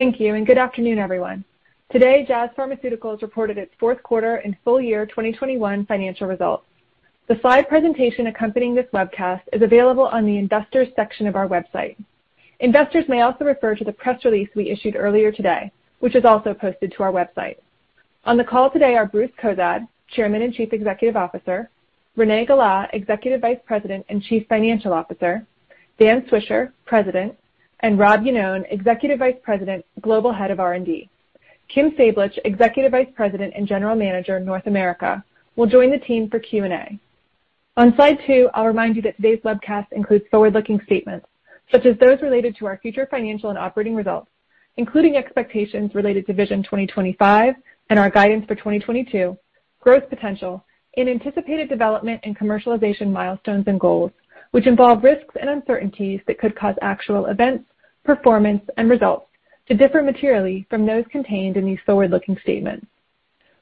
Thank you, and good afternoon, everyone. Today, Jazz Pharmaceuticals reported its fourth quarter and full year 2021 financial results. The slide presentation accompanying this webcast is available on the investors section of our website. Investors may also refer to the press release we issued earlier today, which is also posted to our website. On the call today are Bruce Cozadd, Chairman and Chief Executive Officer, Renée Gala, Executive Vice President and Chief Financial Officer, Dan Swisher, President, and Robert Iannone, Executive Vice President, Global Head of R&D. Kim Sablich, Executive Vice President and General Manager, North America, will join the team for Q&A. On slide two, I'll remind you that today's webcast includes forward-looking statements, such as those related to our future financial and operating results, including expectations related to Vision 2025 and our guidance for 2022, growth potential in anticipated development and commercialization milestones and goals, which involve risks and uncertainties that could cause actual events, performance and results to differ materially from those contained in these forward-looking statements.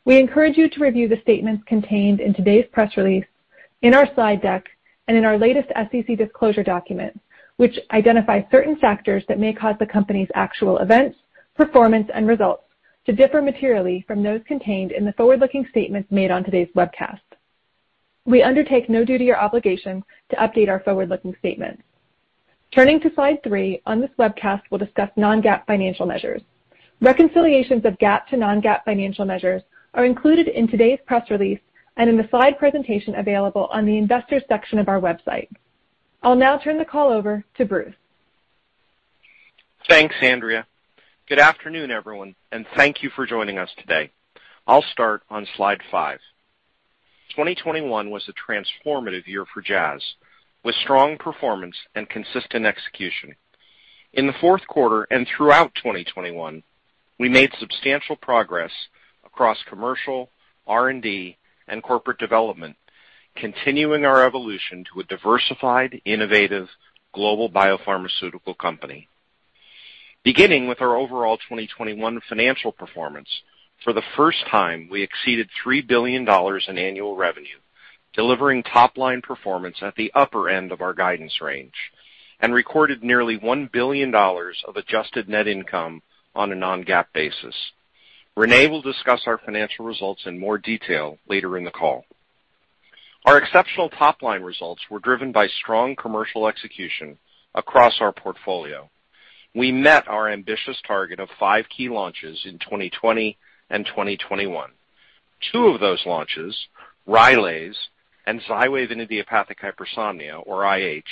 We encourage you to review the statements contained in today's press release, in our slide deck, and in our latest SEC disclosure document, which identifies certain factors that may cause the company's actual events, performance, and results to differ materially from those contained in the forward-looking statements made on today's webcast. We undertake no duty or obligation to update our forward-looking statements. Turning to slide three, on this webcast, we'll discuss non-GAAP financial measures. Reconciliations of GAAP to non-GAAP financial measures are included in today's press release and in the slide presentation available on the investors section of our website. I'll now turn the call over to Bruce. Thanks, Andrea. Good afternoon, everyone, and thank you for joining us today. I'll start on slide five. 2021 was a transformative year for Jazz, with strong performance and consistent execution. In the fourth quarter and throughout 2021, we made substantial progress across commercial, R&D, and corporate development, continuing our evolution to a diversified, innovative global biopharmaceutical company. Beginning with our overall 2021 financial performance, for the first time, we exceeded $3 billion in annual revenue, delivering top-line performance at the upper end of our guidance range and recorded nearly $1 billion of adjusted net income on a non-GAAP basis. Renée will discuss our financial results in more detail later in the call. Our exceptional top-line results were driven by strong commercial execution across our portfolio. We met our ambitious target of five key launches in 2020 and 2021. Two of those launches, Rylaze and Xywav idiopathic hypersomnia, or IH,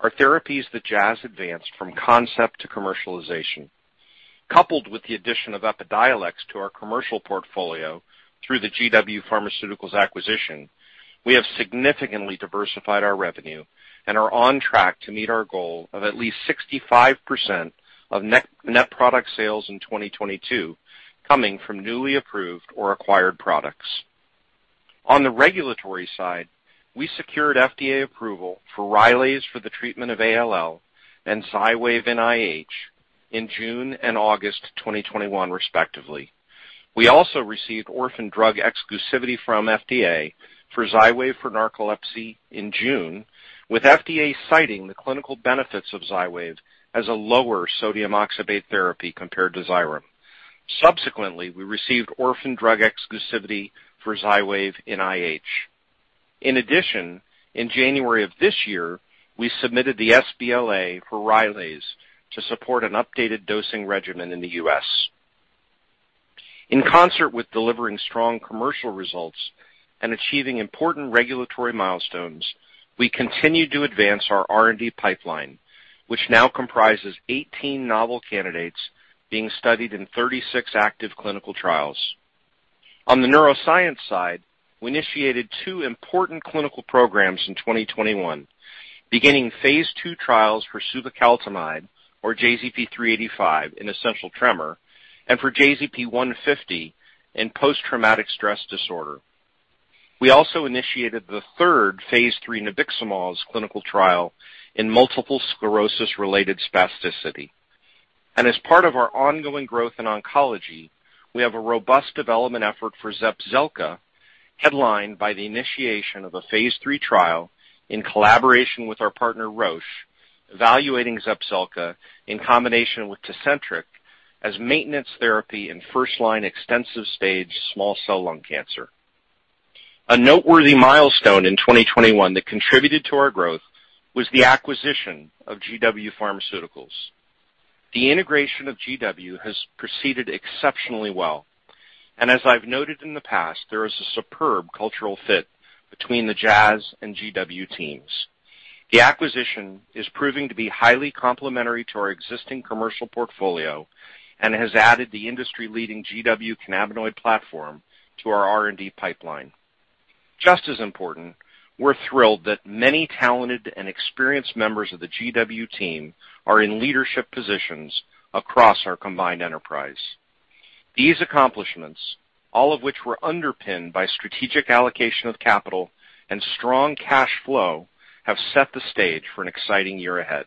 are therapies that Jazz advanced from concept to commercialization. Coupled with the addition of Epidiolex to our commercial portfolio through the GW Pharmaceuticals acquisition, we have significantly diversified our revenue and are on track to meet our goal of at least 65% of net product sales in 2022 coming from newly approved or acquired products. On the regulatory side, we secured FDA approval for Rylaze for the treatment of ALL and Xywav in IH in June and August 2021, respectively. We also received orphan drug exclusivity from FDA for Xywav for narcolepsy in June, with FDA citing the clinical benefits of Xywav as a lower sodium oxybate therapy compared to Xyrem. Subsequently, we received orphan drug exclusivity for Xywav in IH. In addition, in January of this year, we submitted the sBLA for Rylaze to support an updated dosing regimen in the U.S. In concert with delivering strong commercial results and achieving important regulatory milestones, we continued to advance our R&D pipeline, which now comprises 18 novel candidates being studied in 36 active clinical trials. On the neuroscience side, we initiated two important clinical programs in 2021, beginning phase II trials for suvecaltamide or JZP-385 in essential tremor, and for JZP-150 in post-traumatic stress disorder. We also initiated the third phase III nabiximols clinical trial in multiple sclerosis-related spasticity. As part of our ongoing growth in oncology, we have a robust development effort for Zepzelca, headlined by the initiation of a phase III trial in collaboration with our partner Roche, evaluating Zepzelca in combination with Tecentriq as maintenance therapy in first-line extensive-stage small cell lung cancer. A noteworthy milestone in 2021 that contributed to our growth was the acquisition of GW Pharmaceuticals. The integration of GW has proceeded exceptionally well. As I've noted in the past, there is a superb cultural fit between the Jazz and GW teams. The acquisition is proving to be highly complementary to our existing commercial portfolio and has added the industry-leading GW cannabinoid platform to our R&D pipeline. Just as important, we're thrilled that many talented and experienced members of the GW team are in leadership positions across our combined enterprise. These accomplishments, all of which were underpinned by strategic allocation of capital and strong cash flow, have set the stage for an exciting year ahead.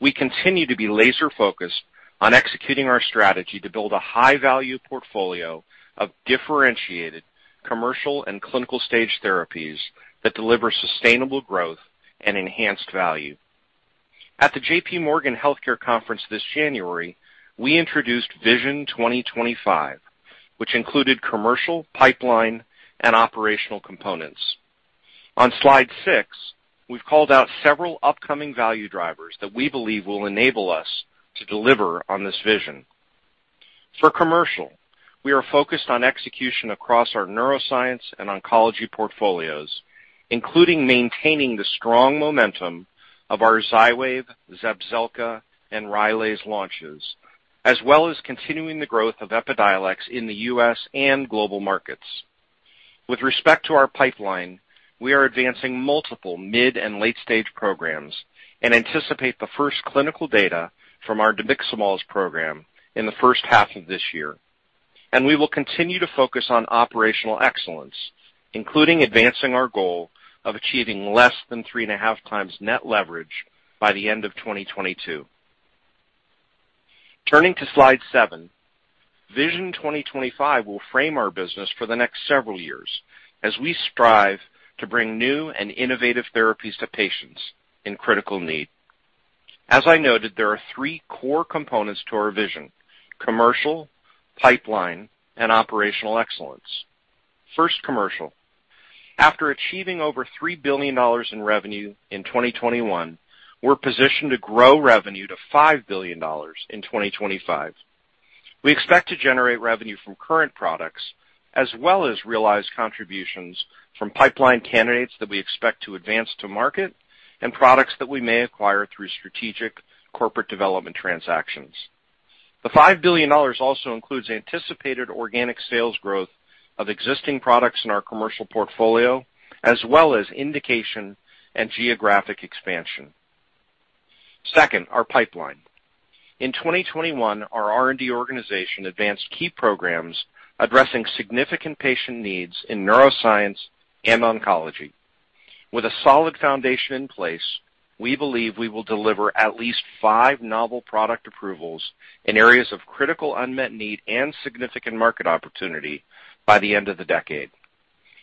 We continue to be laser-focused on executing our strategy to build a high-value portfolio of differentiated commercial and clinical stage therapies that deliver sustainable growth and enhanced value. At the JPMorgan Healthcare Conference this January, we introduced Vision 2025, which included commercial, pipeline, and operational components. On slide six, we've called out several upcoming value drivers that we believe will enable us to deliver on this vision. For commercial, we are focused on execution across our neuroscience and oncology portfolios, including maintaining the strong momentum of our Xywav, Zepzelca, and Rylaze launches, as well as continuing the growth of Epidiolex in the U.S. and global markets. With respect to our pipeline, we are advancing multiple mid- and late-stage programs and anticipate the first clinical data from our nabiximols program in the first half of this year. We will continue to focus on operational excellence, including advancing our goal of achieving less than 3.5x net leverage by the end of 2022. Turning to slide seven, Vision 2025 will frame our business for the next several years as we strive to bring new and innovative therapies to patients in critical need. As I noted, there are three core components to our vision: commercial, pipeline, and operational excellence. First, commercial. After achieving over $3 billion in revenue in 2021, we're positioned to grow revenue to $5 billion in 2025. We expect to generate revenue from current products, as well as realize contributions from pipeline candidates that we expect to advance to market and products that we may acquire through strategic corporate development transactions. The $5 billion also includes anticipated organic sales growth of existing products in our commercial portfolio, as well as indication and geographic expansion. Second, our pipeline. In 2021, our R&D organization advanced key programs addressing significant patient needs in neuroscience and oncology. With a solid foundation in place, we believe we will deliver at least five novel product approvals in areas of critical unmet need and significant market opportunity by the end of the decade.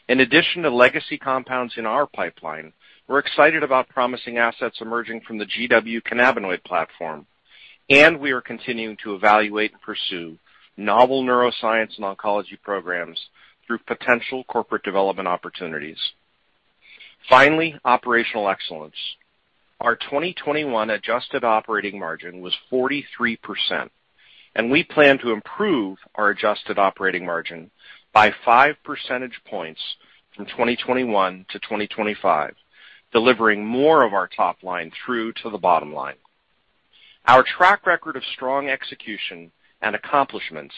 In addition to legacy compounds in our pipeline, we're excited about promising assets emerging from the GW cannabinoid platform, and we are continuing to evaluate and pursue novel neuroscience and oncology programs through potential corporate development opportunities. Finally, operational excellence. Our 2021 adjusted operating margin was 43%, and we plan to improve our adjusted operating margin by 5 percentage points from 2021 to 2025, delivering more of our top line through to the bottom line. Our track record of strong execution and accomplishments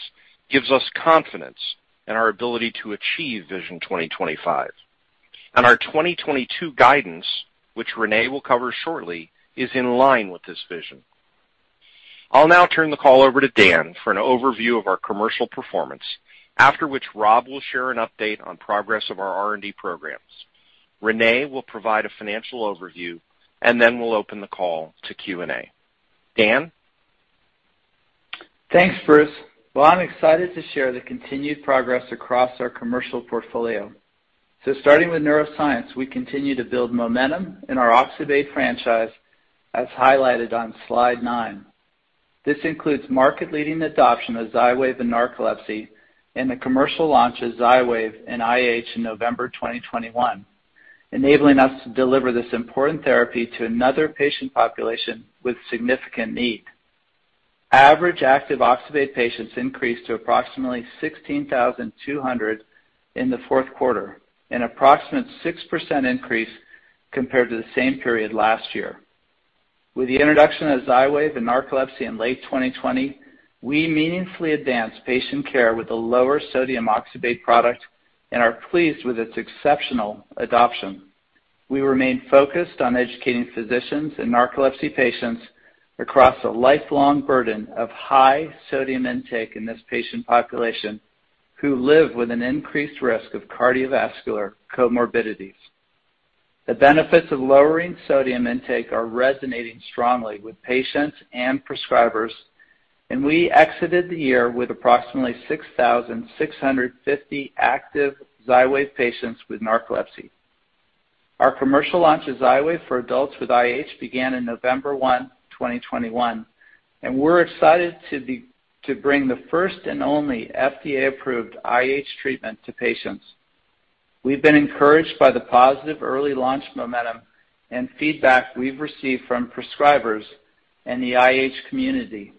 gives us confidence in our ability to achieve Vision 2025. Our 2022 guidance, which Renée will cover shortly, is in line with this vision. I'll now turn the call over to Dan for an overview of our commercial performance, after which Rob will share an update on progress of our R&D programs. Renée will provide a financial overview, and then we'll open the call to Q&A. Dan? Thanks, Bruce. Well, I'm excited to share the continued progress across our commercial portfolio. Starting with neuroscience, we continue to build momentum in our oxybate franchise as highlighted on slide nine. This includes market-leading adoption of Xywav in narcolepsy and the commercial launch of Xywav in IH in November 2021, enabling us to deliver this important therapy to another patient population with significant need. Average active oxybate patients increased to approximately 16,200 in the fourth quarter, an approximate 6% increase compared to the same period last year. With the introduction of Xywav in narcolepsy in late 2020, we meaningfully advanced patient care with a lower sodium oxybate product and are pleased with its exceptional adoption. We remain focused on educating physicians and narcolepsy patients across a lifelong burden of high sodium intake in this patient population, who live with an increased risk of cardiovascular comorbidities. The benefits of lowering sodium intake are resonating strongly with patients and prescribers, and we exited the year with approximately 6,650 active Xywav patients with narcolepsy. Our commercial launch of Xywav for adults with IH began in November 1, 2021, and we're excited to bring the first and only FDA-approved IH treatment to patients. We've been encouraged by the positive early launch momentum and feedback we've received from prescribers in the IH community.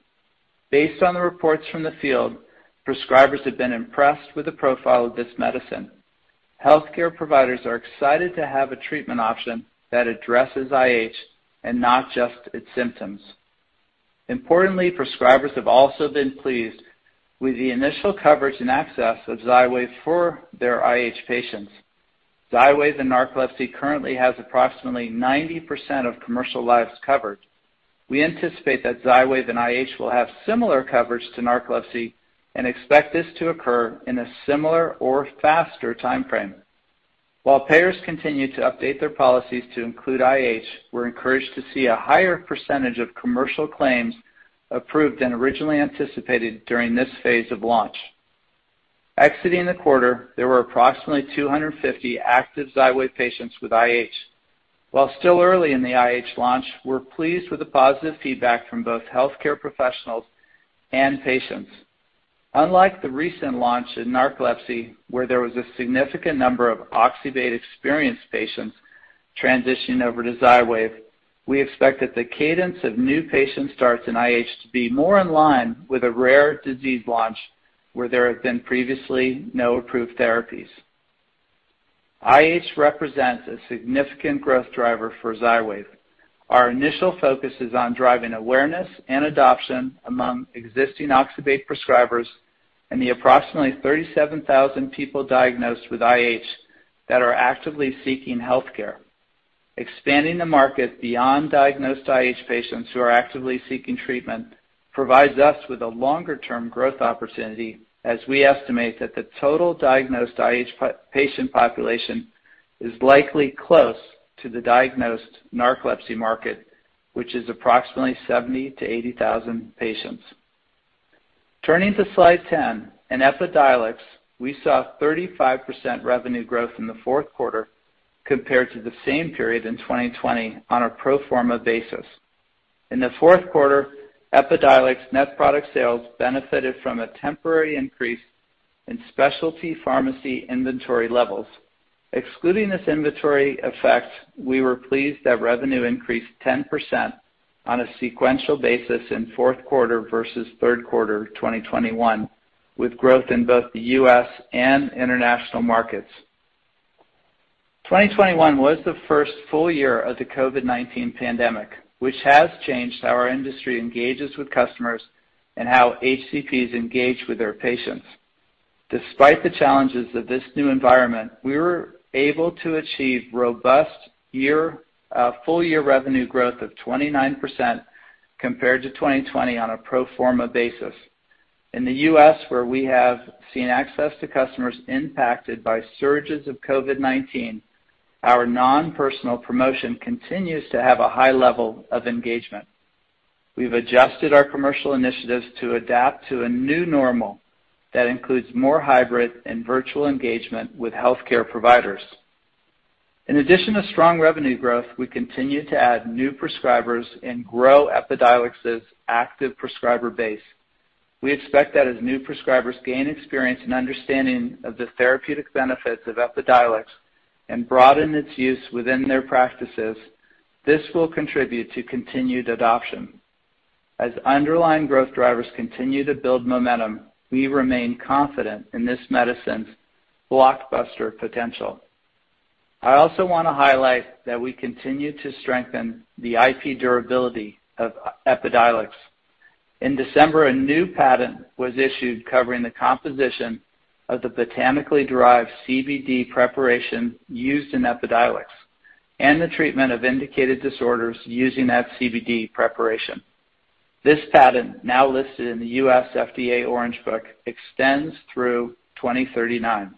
Based on the reports from the field, prescribers have been impressed with the profile of this medicine. Healthcare providers are excited to have a treatment option that addresses IH and not just its symptoms. Importantly, prescribers have also been pleased with the initial coverage and access of Xywav for their IH patients. Xywav and narcolepsy currently has approximately 90% of commercial lives covered. We anticipate that Xywav and IH will have similar coverage to narcolepsy and expect this to occur in a similar or faster timeframe. While payers continue to update their policies to include IH, we're encouraged to see a higher percentage of commercial claims approved than originally anticipated during this phase of launch. Exiting the quarter, there were approximately 250 active Xywav patients with IH. While still early in the IH launch, we're pleased with the positive feedback from both healthcare professionals and patients. Unlike the recent launch in narcolepsy, where there was a significant number of oxybate-experienced patients transitioning over to Xywav, we expect that the cadence of new patient starts in IH to be more in line with a rare disease launch where there have been previously no approved therapies. IH represents a significant growth driver for Xywav. Our initial focus is on driving awareness and adoption among existing oxybate prescribers and the approximately 37,000 people diagnosed with IH that are actively seeking healthcare. Expanding the market beyond diagnosed IH patients who are actively seeking treatment provides us with a longer-term growth opportunity, as we estimate that the total diagnosed IH patient population is likely close to the diagnosed narcolepsy market, which is approximately 70,000-80,000 patients. Turning to slide 10, in Epidiolex, we saw 35% revenue growth in the fourth quarter compared to the same period in 2020 on a pro forma basis. In the fourth quarter, Epidiolex net product sales benefited from a temporary increase in specialty pharmacy inventory levels. Excluding this inventory effect, we were pleased that revenue increased 10% on a sequential basis in fourth quarter versus third quarter of 2021, with growth in both the U.S. and international markets. 2021 was the first full year of the COVID-19 pandemic, which has changed how our industry engages with customers and how HCPs engage with their patients. Despite the challenges of this new environment, we were able to achieve robust year, full year revenue growth of 29% compared to 2020 on a pro forma basis. In the U.S., where we have seen access to customers impacted by surges of COVID-19, our non-personal promotion continues to have a high level of engagement. We've adjusted our commercial initiatives to adapt to a new normal that includes more hybrid and virtual engagement with healthcare providers. In addition to strong revenue growth, we continue to add new prescribers and grow Epidiolex's active prescriber base. We expect that as new prescribers gain experience and understanding of the therapeutic benefits of Epidiolex and broaden its use within their practices, this will contribute to continued adoption. As underlying growth drivers continue to build momentum, we remain confident in this medicine's blockbuster potential. I also want to highlight that we continue to strengthen the IP durability of Epidiolex. In December, a new patent was issued covering the composition of the botanically derived CBD preparation used in Epidiolex and the treatment of indicated disorders using that CBD preparation. This patent, now listed in the U.S. FDA Orange Book, extends through 2039.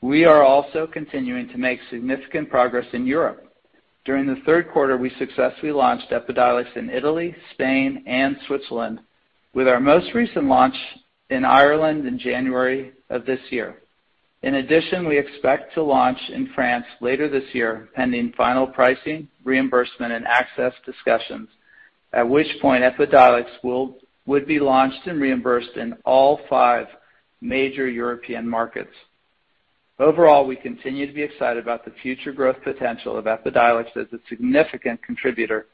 We are also continuing to make significant progress in Europe. During the third quarter, we successfully launched Epidiolex in Italy, Spain, and Switzerland, with our most recent launch in Ireland in January of this year. In addition, we expect to launch in France later this year, pending final pricing, reimbursement, and access discussions, at which point Epidiolex would be launched and reimbursed in all five major European markets. Overall, we continue to be excited about the future growth potential of Epidiolex as a significant contributor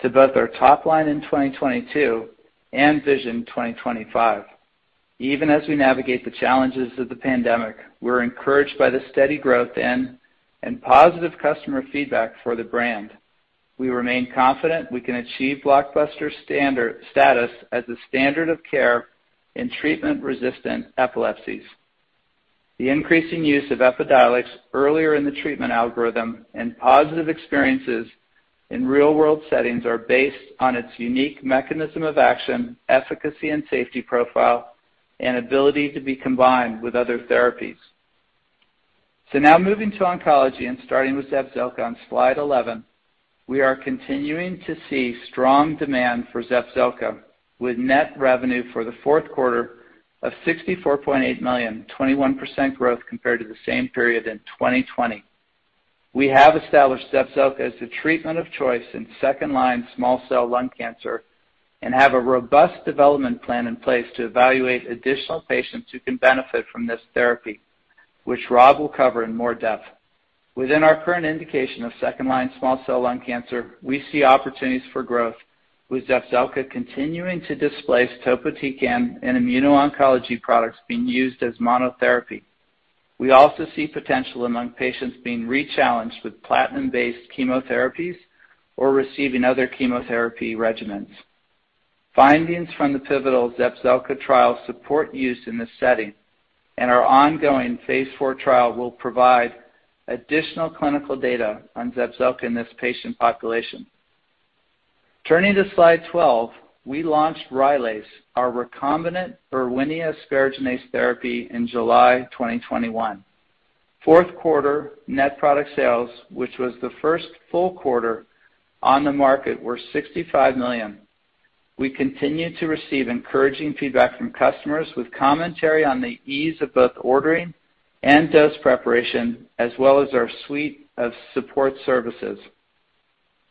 to both our top line in 2022 and Vision 2025. Even as we navigate the challenges of the pandemic, we're encouraged by the steady growth and positive customer feedback for the brand. We remain confident we can achieve blockbuster status as the standard of care in treatment-resistant epilepsies. The increasing use of Epidiolex earlier in the treatment algorithm and positive experiences in real-world settings are based on its unique mechanism of action, efficacy and safety profile, and ability to be combined with other therapies. Now moving to oncology and starting with Zepzelca on slide 11, we are continuing to see strong demand for Zepzelca, with net revenue for the fourth quarter of $64.8 million, 21% growth compared to the same period in 2020. We have established Zepzelca as the treatment of choice in second-line small cell lung cancer and have a robust development plan in place to evaluate additional patients who can benefit from this therapy, which Rob will cover in more depth. Within our current indication of second-line small cell lung cancer, we see opportunities for growth, with Zepzelca continuing to displace Topotecan and immuno-oncology products being used as monotherapy. We also see potential among patients being rechallenged with platinum-based chemotherapies or receiving other chemotherapy regimens. Findings from the pivotal Zepzelca trial support use in this setting, and our ongoing phase IV trial will provide additional clinical data on Zepzelca in this patient population. Turning to slide 12, we launched Rylaze, our recombinant Erwinia asparaginase therapy in July 2021. Fourth quarter net product sales, which was the first full quarter on the market, were $65 million. We continued to receive encouraging feedback from customers with commentary on the ease of both ordering and dose preparation, as well as our suite of support services.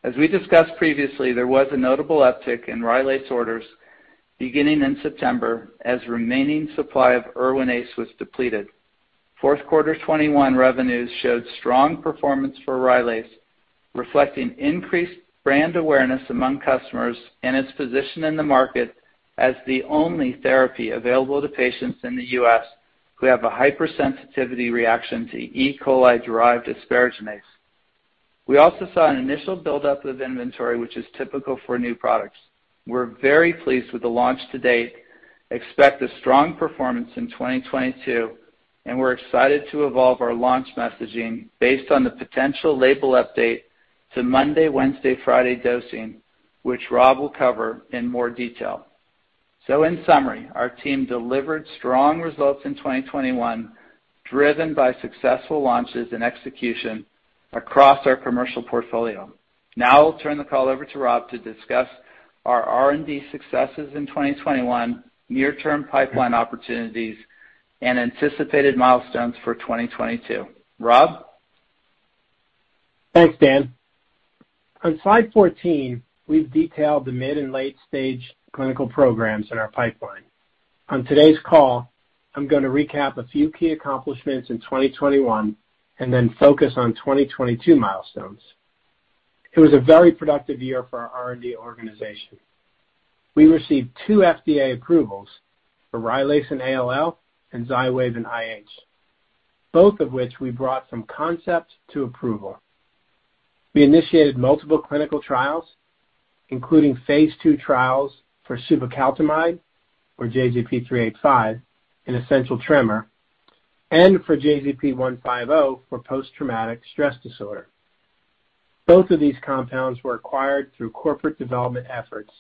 As we discussed previously, there was a notable uptick in Rylaze orders beginning in September as remaining supply of Erwinaze was depleted. Fourth quarter 2021 revenues showed strong performance for Rylaze, reflecting increased brand awareness among customers and its position in the market as the only therapy available to patients in the U.S. who have a hypersensitivity reaction to E. coli-derived asparaginase. We also saw an initial buildup of inventory, which is typical for new products. We're very pleased with the launch to date, expect a strong performance in 2022, and we're excited to evolve our launch messaging based on the potential label update to Monday, Wednesday, Friday dosing, which Rob will cover in more detail. In summary, our team delivered strong results in 2021, driven by successful launches and execution across our commercial portfolio. Now I'll turn the call over to Rob to discuss our R&D successes in 2021, near-term pipeline opportunities, and anticipated milestones for 2022. Rob? Thanks, Dan. On slide 14, we've detailed the mid and late-stage clinical programs in our pipeline. On today's call, I'm gonna recap a few key accomplishments in 2021 and then focus on 2022 milestones. It was a very productive year for our R&D organization. We received two FDA approvals for Rylaze and ALL and Xywav and IH, both of which we brought from concept to approval. We initiated multiple clinical trials, including phase II trials for suvecaltamide or JZP-385 in essential tremor, and for JZP-150 for post-traumatic stress disorder. Both of these compounds were acquired through corporate development efforts,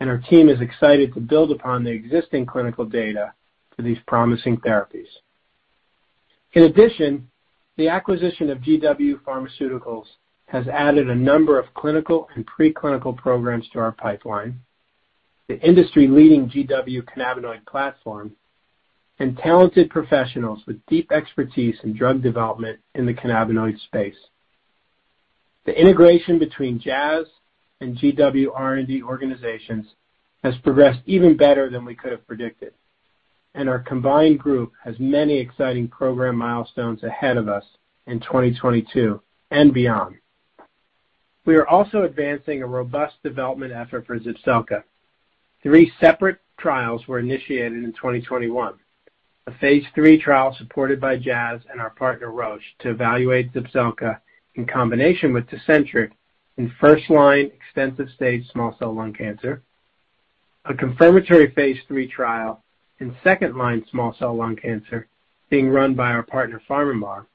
and our team is excited to build upon the existing clinical data for these promising therapies. In addition, the acquisition of GW Pharmaceuticals has added a number of clinical and pre-clinical programs to our pipeline, the industry-leading GW cannabinoid platform, and talented professionals with deep expertise in drug development in the cannabinoid space. The integration between Jazz and GW R&D organizations has progressed even better than we could have predicted, and our combined group has many exciting program milestones ahead of us in 2022 and beyond. We are also advancing a robust development effort for Zepzelca. Three separate trials were initiated in 2021. A phase III trial supported by Jazz and our partner Roche to evaluate Zepzelca in combination with Tecentriq in first-line extensive stage small cell lung cancer, a confirmatory phase III trial in second line small cell lung cancer being run by our partner PharmaMar,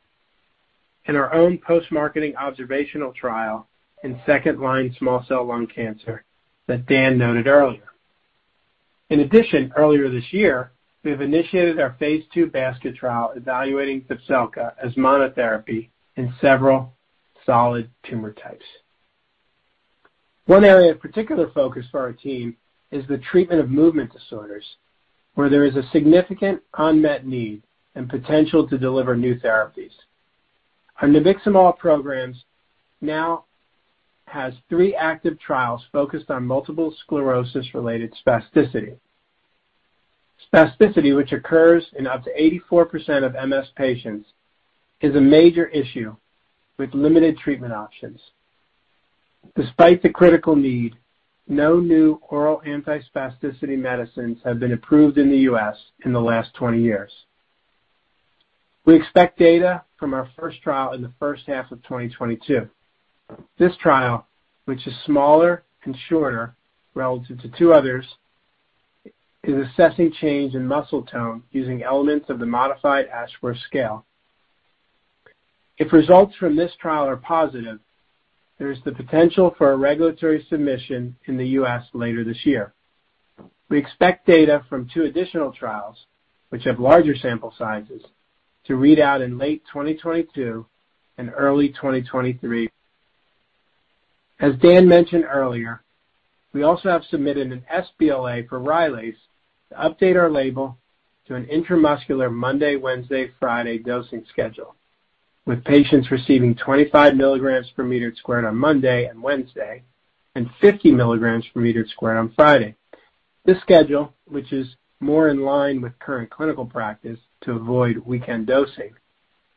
and our own post-marketing observational trial in second line small cell lung cancer that Dan noted earlier. In addition, earlier this year, we have initiated our phase II basket trial evaluating Zepzelca as monotherapy in several solid tumor types. One area of particular focus for our team is the treatment of movement disorders, where there is a significant unmet need and potential to deliver new therapies. Our nabiximols programs now has three active trials focused on multiple sclerosis-related spasticity. Spasticity, which occurs in up to 84% of MS patients, is a major issue with limited treatment options. Despite the critical need, no new oral antispasticity medicines have been approved in the U.S. in the last 20 years. We expect data from our first trial in the first half of 2022. This trial, which is smaller and shorter relative to two others, is assessing change in muscle tone using elements of the Modified Ashworth Scale. If results from this trial are positive, there is the potential for a regulatory submission in the U.S. later this year. We expect data from two additional trials, which have larger sample sizes, to read out in late 2022 and early 2023. As Dan mentioned earlier, we also have submitted an sBLA for Rylaze to update our label to an intramuscular Monday, Wednesday, Friday dosing schedule, with patients receiving 25 milligrams per meter squared on Monday and Wednesday and 50 milligrams per meter squared on Friday. This schedule, which is more in line with current clinical practice to avoid weekend dosing,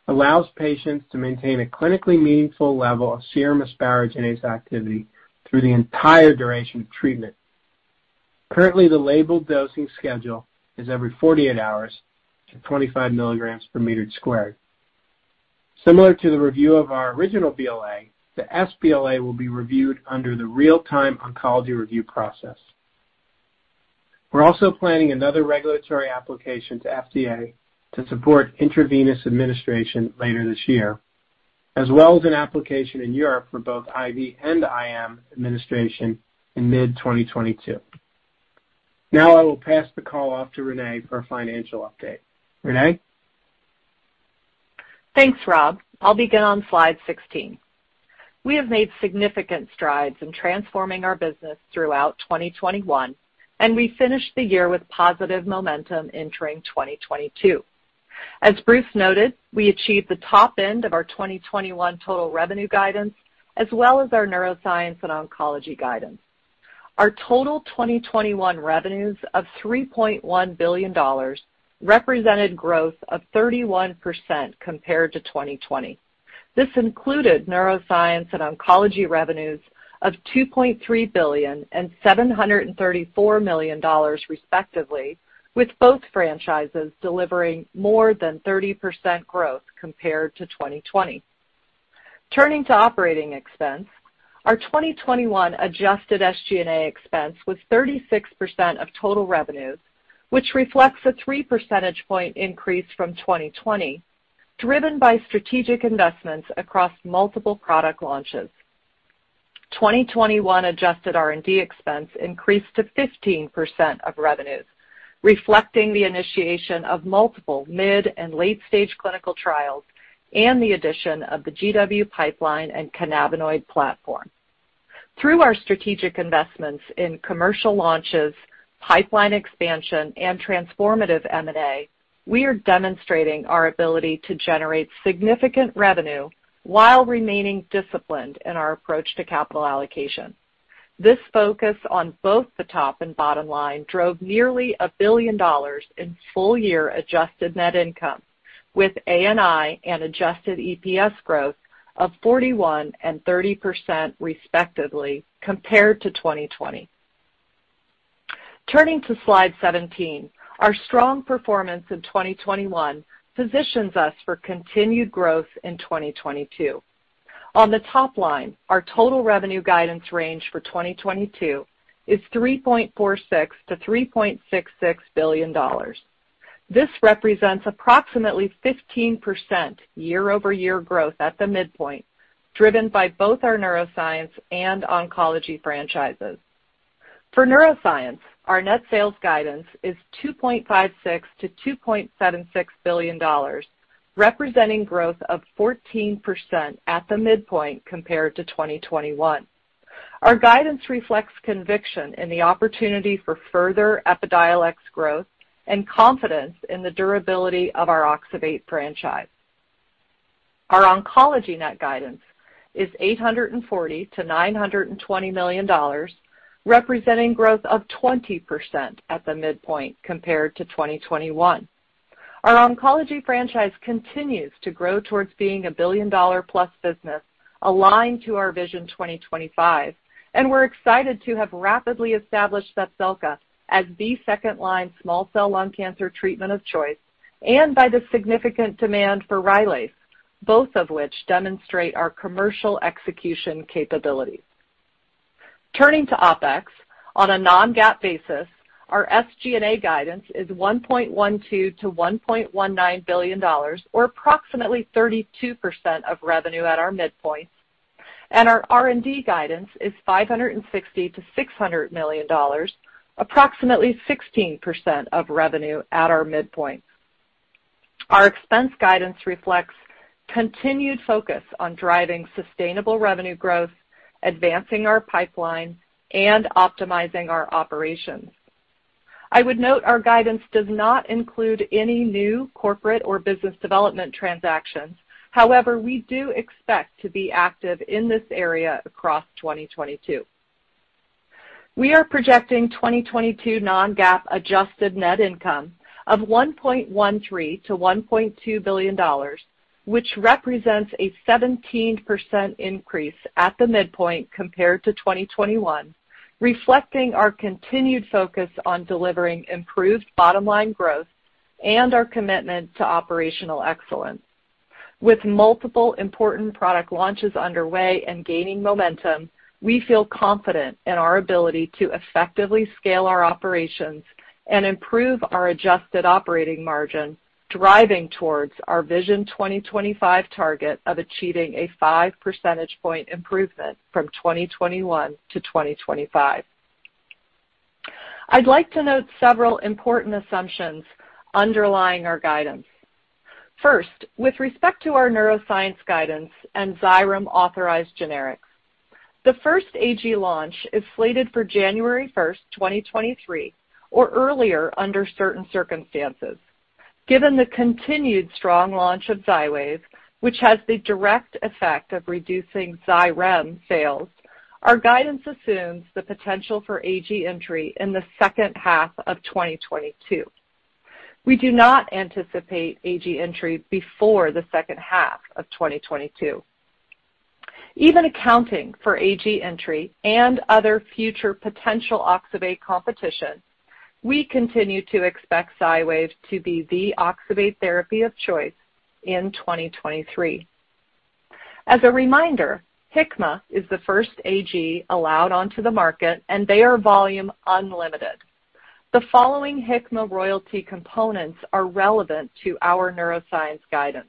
allows patients to maintain a clinically meaningful level of serum asparaginase activity through the entire duration of treatment. Currently, the labeled dosing schedule is every 48 hours to 25 milligrams per meter squared. Similar to the review of our original BLA, the sBLA will be reviewed under the Real-Time Oncology Review process. We're also planning another regulatory application to FDA to support intravenous administration later this year, as well as an application in Europe for both IV and IM administration in mid-2022. Now I will pass the call off to Renée for a financial update. Renée? Thanks, Rob. I'll begin on slide 16. We have made significant strides in transforming our business throughout 2021, and we finished the year with positive momentum entering 2022. As Bruce noted, we achieved the top end of our 2021 total revenue guidance as well as our Neuroscience and Oncology guidance. Our total 2021 revenues of $3.1 billion represented growth of 31% compared to 2020. This included Neuroscience and Oncology revenues of $2.3 billion and $734 million respectively, with both franchises delivering more than 30% growth compared to 2020. Turning to operating expense, our 2021 adjusted SG&A expense was 36% of total revenues, which reflects a three percentage point increase from 2020, driven by strategic investments across multiple product launches. 2021 adjusted R&D expense increased to 15% of revenues, reflecting the initiation of multiple mid- and late-stage clinical trials and the addition of the GW pipeline and cannabinoid platform. Through our strategic investments in commercial launches, pipeline expansion, and transformative M&A, we are demonstrating our ability to generate significant revenue while remaining disciplined in our approach to capital allocation. This focus on both the top and bottom line drove nearly $1 billion in full-year adjusted net income, with ANI and adjusted EPS growth of 41% and 30% respectively compared to 2020. Turning to slide 17. Our strong performance in 2021 positions us for continued growth in 2022. On the top line, our total revenue guidance range for 2022 is $3.46 billion-$3.66 billion. This represents approximately 15% year-over-year growth at the midpoint, driven by both our Neuroscience and Oncology franchises. For Neuroscience, our net sales guidance is $2.56 billion-$2.76 billion, representing growth of 14% at the midpoint compared to 2021. Our guidance reflects conviction in the opportunity for further Epidiolex growth and confidence in the durability of our oxybate franchise. Our Oncology net guidance is $840 million-$920 million, representing growth of 20% at the midpoint compared to 2021. Our Oncology franchise continues to grow towards being a billion-dollar-plus business aligned to our Vision 2025, and we're excited to have rapidly established Zepzelca as the second line small cell lung cancer treatment of choice and by the significant demand for Rylaze, both of which demonstrate our commercial execution capabilities. Turning to OpEx, on a non-GAAP basis, our SG&A guidance is $1.12 billion-$1.19 billion or approximately 32% of revenue at our midpoint, and our R&D guidance is $560 million-$600 million, approximately 16% of revenue at our midpoint. Our expense guidance reflects continued focus on driving sustainable revenue growth, advancing our pipeline, and optimizing our operations. I would note our guidance does not include any new corporate or business development transactions. However, we do expect to be active in this area across 2022. We are projecting 2022 non-GAAP adjusted net income of $1.13 billion-$1.2 billion, which represents a 17% increase at the midpoint compared to 2021, reflecting our continued focus on delivering improved bottom-line growth and our commitment to operational excellence. With multiple important product launches underway and gaining momentum, we feel confident in our ability to effectively scale our operations and improve our adjusted operating margin, driving towards our Vision 2025 target of achieving a 5 percentage point improvement from 2021 to 2025. I'd like to note several important assumptions underlying our guidance. First, with respect to our neuroscience guidance and Xyrem authorized generics. The first AG launch is slated for January 1st, 2023, or earlier under certain circumstances. Given the continued strong launch of Xywav, which has the direct effect of reducing Xyrem sales, our guidance assumes the potential for AG entry in the second half of 2022. We do not anticipate AG entry before the second half of 2022. Even accounting for AG entry and other future potential oxybate competition, we continue to expect Xywav to be the oxybate therapy of choice in 2023. As a reminder, Hikma is the first AG allowed onto the market, and they are volume unlimited. The following Hikma royalty components are relevant to our neuroscience guidance.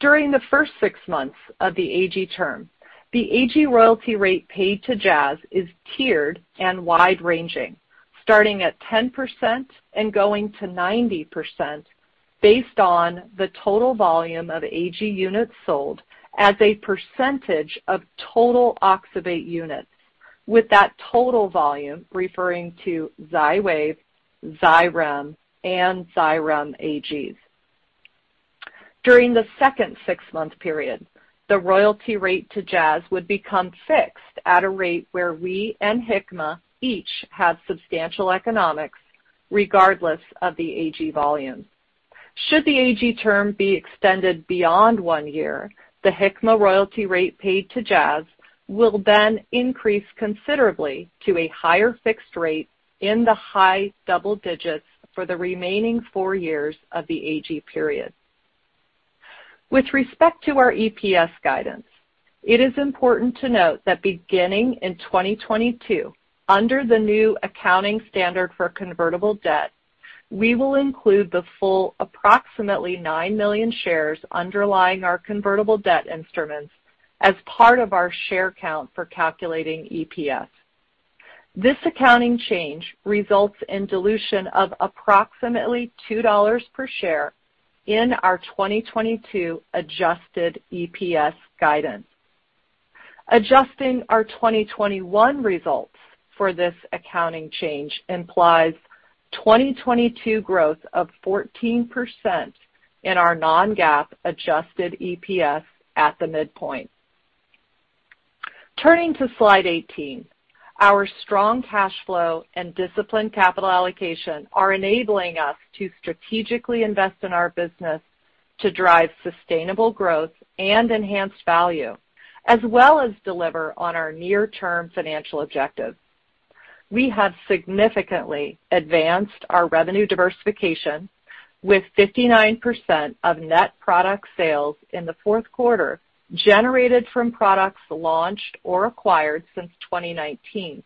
During the first six months of the AG term, the AG royalty rate paid to Jazz is tiered and wide-ranging, starting at 10% and going to 90% based on the total volume of AG units sold as a percentage of total Xywav units, with that total volume referring to Xywav, Xyrem, and Xyrem AGs. During the second six-month period, the royalty rate to Jazz would become fixed at a rate where we and Hikma each have substantial economics regardless of the AG volume. Should the AG term be extended beyond one year, the Hikma royalty rate paid to Jazz will then increase considerably to a higher fixed rate in the high double digits for the remaining four years of the AG period. With respect to our EPS guidance, it is important to note that beginning in 2022, under the new accounting standard for convertible debt, we will include the full approximately 9 million shares underlying our convertible debt instruments as part of our share count for calculating EPS. This accounting change results in dilution of approximately $2 per share in our 2022 adjusted EPS guidance. Adjusting our 2021 results for this accounting change implies 2022 growth of 14% in our non-GAAP adjusted EPS at the midpoint. Turning to slide 18. Our strong cash flow and disciplined capital allocation are enabling us to strategically invest in our business to drive sustainable growth and enhanced value, as well as deliver on our near-term financial objectives. We have significantly advanced our revenue diversification, with 59% of net product sales in the fourth quarter generated from products launched or acquired since 2019.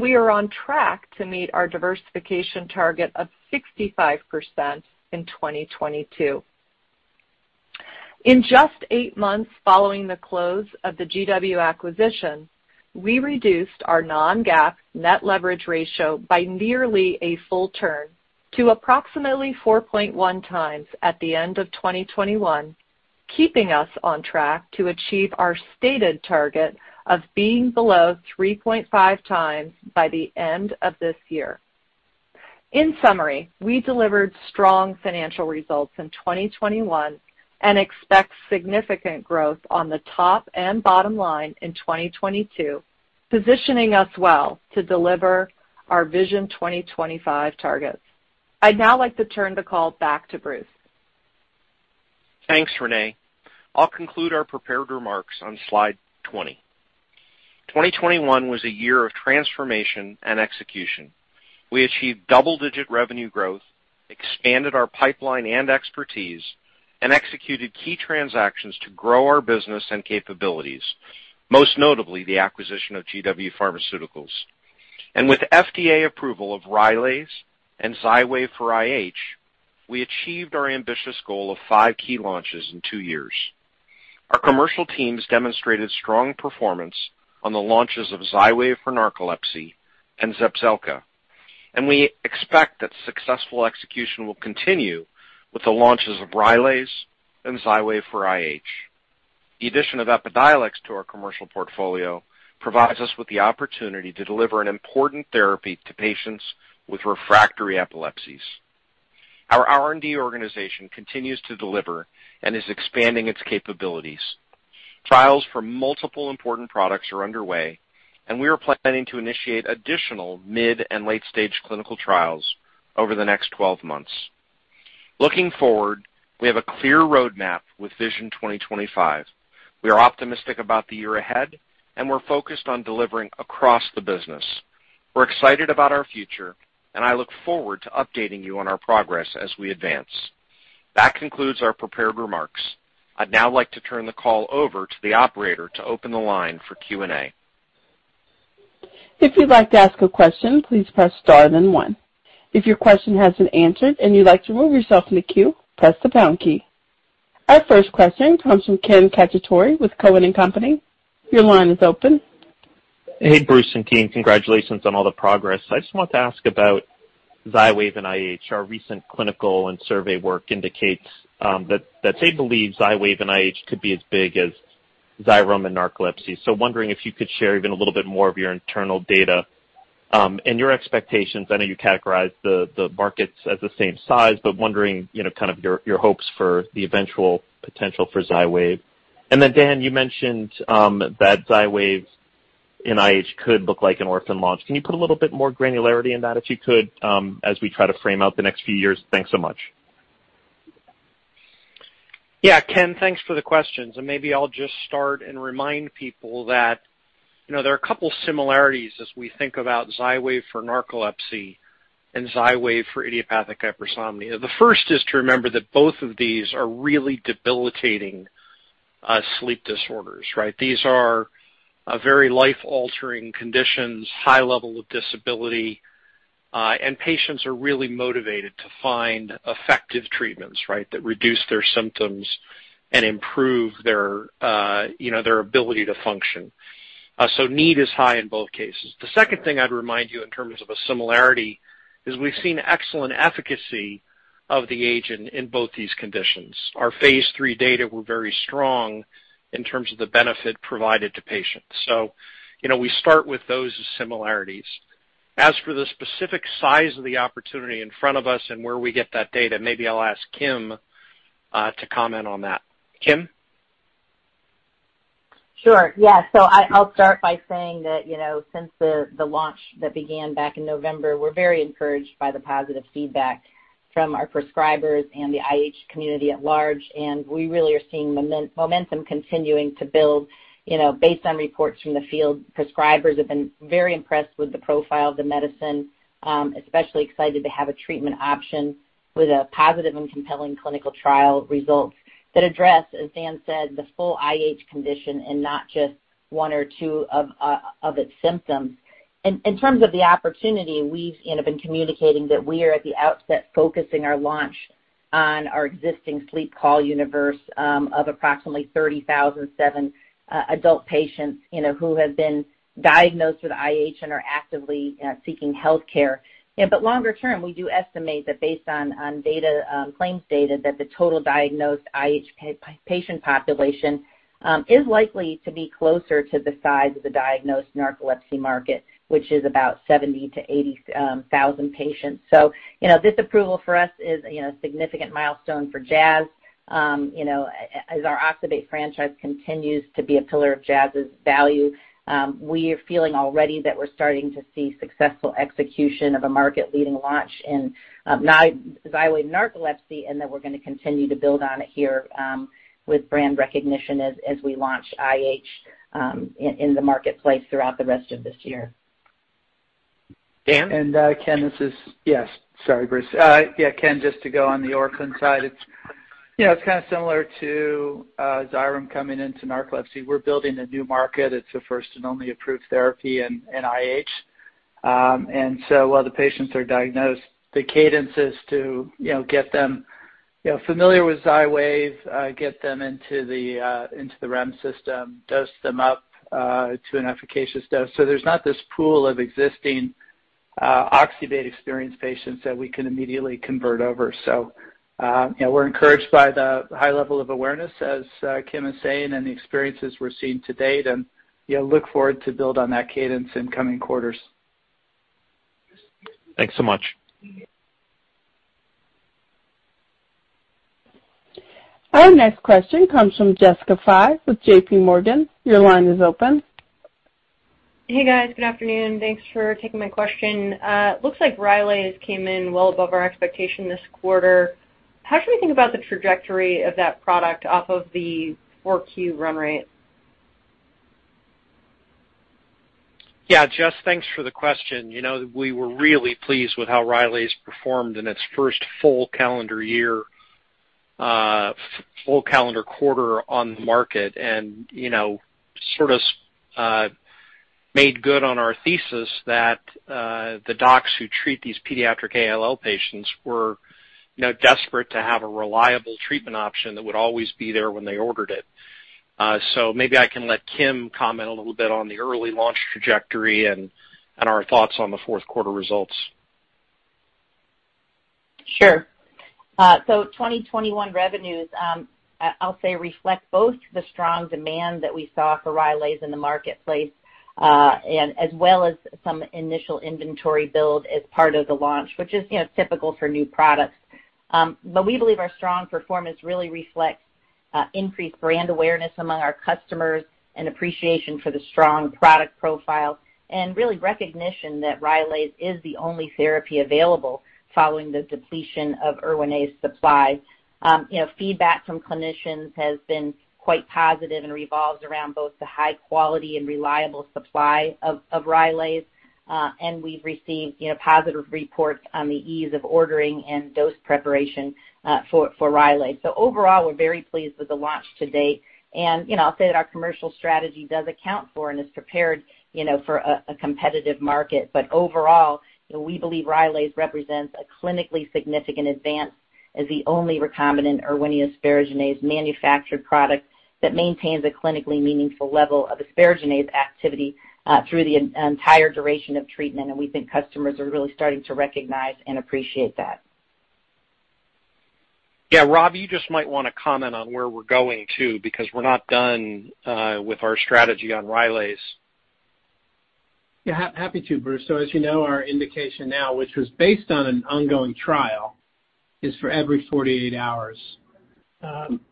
We are on track to meet our diversification target of 65% in 2022. In just 8 months following the close of the GW acquisition, we reduced our non-GAAP net leverage ratio by nearly a full turn to approximately 4.1x at the end of 2021, keeping us on track to achieve our stated target of being below 3.5x by the end of this year. In summary, we delivered strong financial results in 2021 and expect significant growth on the top and bottom line in 2022, positioning us well to deliver our Vision 2025 targets. I'd now like to turn the call back to Bruce. Thanks, Renée. I'll conclude our prepared remarks on slide 20. 2021 was a year of transformation and execution. We achieved double-digit revenue growth, expanded our pipeline and expertise, and executed key transactions to grow our business and capabilities, most notably the acquisition of GW Pharmaceuticals. With FDA approval of Rylaze and Xywav for IH, we achieved our ambitious goal of five key launches in two years. Our commercial teams demonstrated strong performance on the launches of Xywav for narcolepsy and Zepzelca, and we expect that successful execution will continue with the launches of Rylaze and Xywav for IH. The addition of Epidiolex to our commercial portfolio provides us with the opportunity to deliver an important therapy to patients with refractory epilepsies. Our R&D organization continues to deliver and is expanding its capabilities. Trials for multiple important products are underway, and we are planning to initiate additional mid- and late-stage clinical trials over the next 12 months. Looking forward, we have a clear roadmap with Vision 2025. We are optimistic about the year ahead, and we're focused on delivering across the business. We're excited about our future, and I look forward to updating you on our progress as we advance. That concludes our prepared remarks. I'd now like to turn the call over to the operator to open the line for Q&A. Our first question comes from Ken Cacciatore with Cowen and Company. Your line is open. Hey, Bruce and team. Congratulations on all the progress. I just wanted to ask about Xywav and IH. Our recent clinical and survey work indicates that they believe Xywav and IH could be as big as Xyrem and narcolepsy. Wondering if you could share even a little bit more of your internal data and your expectations. I know you categorized the markets as the same size, but wondering, you know, kind of your hopes for the eventual potential for Xywav. Then Dan, you mentioned that Xywav and IH could look like an orphan launch. Can you put a little bit more granularity in that, if you could, as we try to frame out the next few years? Thanks so much. Yeah, Ken, thanks for the questions. Maybe I'll just start and remind people that, you know, there are a couple similarities as we think about Xywav for narcolepsy and Xywav for idiopathic hypersomnia. The first is to remember that both of these are really debilitating sleep disorders, right? These are very life-altering conditions, high level of disability, and patients are really motivated to find effective treatments, right, that reduce their symptoms and improve their, you know, their ability to function. Need is high in both cases. The second thing I'd remind you in terms of a similarity is we've seen excellent efficacy of the agent in both these conditions. Our phase III data were very strong in terms of the benefit provided to patients. You know, we start with those similarities. As for the specific size of the opportunity in front of us and where we get that data, maybe I'll ask Kim to comment on that. Kim? I'll start by saying that, you know, since the launch that began back in November, we're very encouraged by the positive feedback from our prescribers and the IH community at large, and we really are seeing momentum continuing to build. You know, based on reports from the field, prescribers have been very impressed with the profile of the medicine, especially excited to have a treatment option with positive and compelling clinical trial results that address, as Dan said, the full IH condition and not just one or two of its symptoms. In terms of the opportunity, we've, you know, been communicating that we are at the outset focusing our launch on our existing sleep call universe of approximately 37,000 adult patients, you know, who have been diagnosed with IH and are actively seeking healthcare. Yeah, longer term, we do estimate that based on data, claims data, that the total diagnosed IH patient population is likely to be closer to the size of the diagnosed narcolepsy market, which is about 70-80 thousand patients. You know, this approval for us is a significant milestone for Jazz. You know, as our oxybate franchise continues to be a pillar of Jazz's value, we are feeling already that we're starting to see successful execution of a market-leading launch in Xywav narcolepsy, and that we're gonna continue to build on it here with brand recognition as we launch IH in the marketplace throughout the rest of this year. Dan? Ken, yes, sorry, Bruce. Yeah, Ken, just to go on the orphan side, it's, you know, it's kinda similar to Xyrem coming into narcolepsy. We're building a new market. It's the first and only approved therapy in IH. While the patients are diagnosed, the cadence is to, you know, get them, you know, familiar with Xywav, get them into the REMS, dose them up to an efficacious dose. There's not this pool of existing oxybate experienced patients that we can immediately convert over. You know, we're encouraged by the high level of awareness, as Kim is saying, and the experiences we're seeing to date, and, you know, look forward to build on that cadence in coming quarters. Thanks so much. Our next question comes from Jessica Fye with JPMorgan. Your line is open. Hey, guys. Good afternoon. Thanks for taking my question. Looks like Rylaze came in well above our expectation this quarter. How should we think about the trajectory of that product off of the 4Q run rate? Yeah. Jess, thanks for the question. You know, we were really pleased with how Rylaze performed in its first full calendar year, full calendar quarter on the market. You know, sort of, made good on our thesis that, the docs who treat these pediatric ALL patients were, you know, desperate to have a reliable treatment option that would always be there when they ordered it. Maybe I can let Kim comment a little bit on the early launch trajectory and our thoughts on the fourth quarter results. Sure. 2021 revenues reflect both the strong demand that we saw for Rylaze in the marketplace and as well as some initial inventory build as part of the launch, which is, you know, typical for new products. We believe our strong performance really reflects increased brand awareness among our customers and appreciation for the strong product profile and really recognition that Rylaze is the only therapy available following the depletion of Erwinaze supply. You know, feedback from clinicians has been quite positive and revolves around both the high quality and reliable supply of Rylaze. We've received, you know, positive reports on the ease of ordering and dose preparation for Rylaze. Overall, we're very pleased with the launch to date. You know, I'll say that our commercial strategy does account for and is prepared, you know, for a competitive market. But overall, you know, we believe Rylaze represents a clinically significant advance as the only recombinant Erwinia asparaginase manufactured product that maintains a clinically meaningful level of asparaginase activity through the entire duration of treatment. We think customers are really starting to recognize and appreciate that. Yeah. Rob, you just might wanna comment on where we're going too because we're not done with our strategy on Rylaze. Yeah. Happy to, Bruce. As you know, our indication now, which was based on an ongoing trial, is for every 48 hours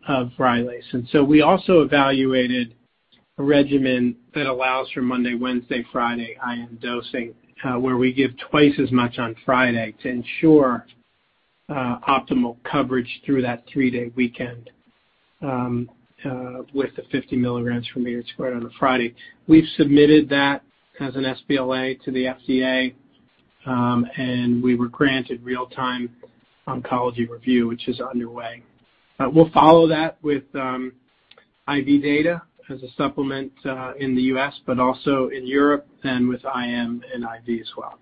of Rylaze. We also evaluated a regimen that allows for Monday, Wednesday, Friday IM dosing, where we give twice as much on Friday to ensure optimal coverage through that three-day weekend, with the 50 mg/m² on a Friday. We've submitted that as an SBLA to the FDA. We were granted Real-Time Oncology Review, which is underway. We'll follow that with IV data as a supplement in the U.S., but also in Europe and with IM and IV as well.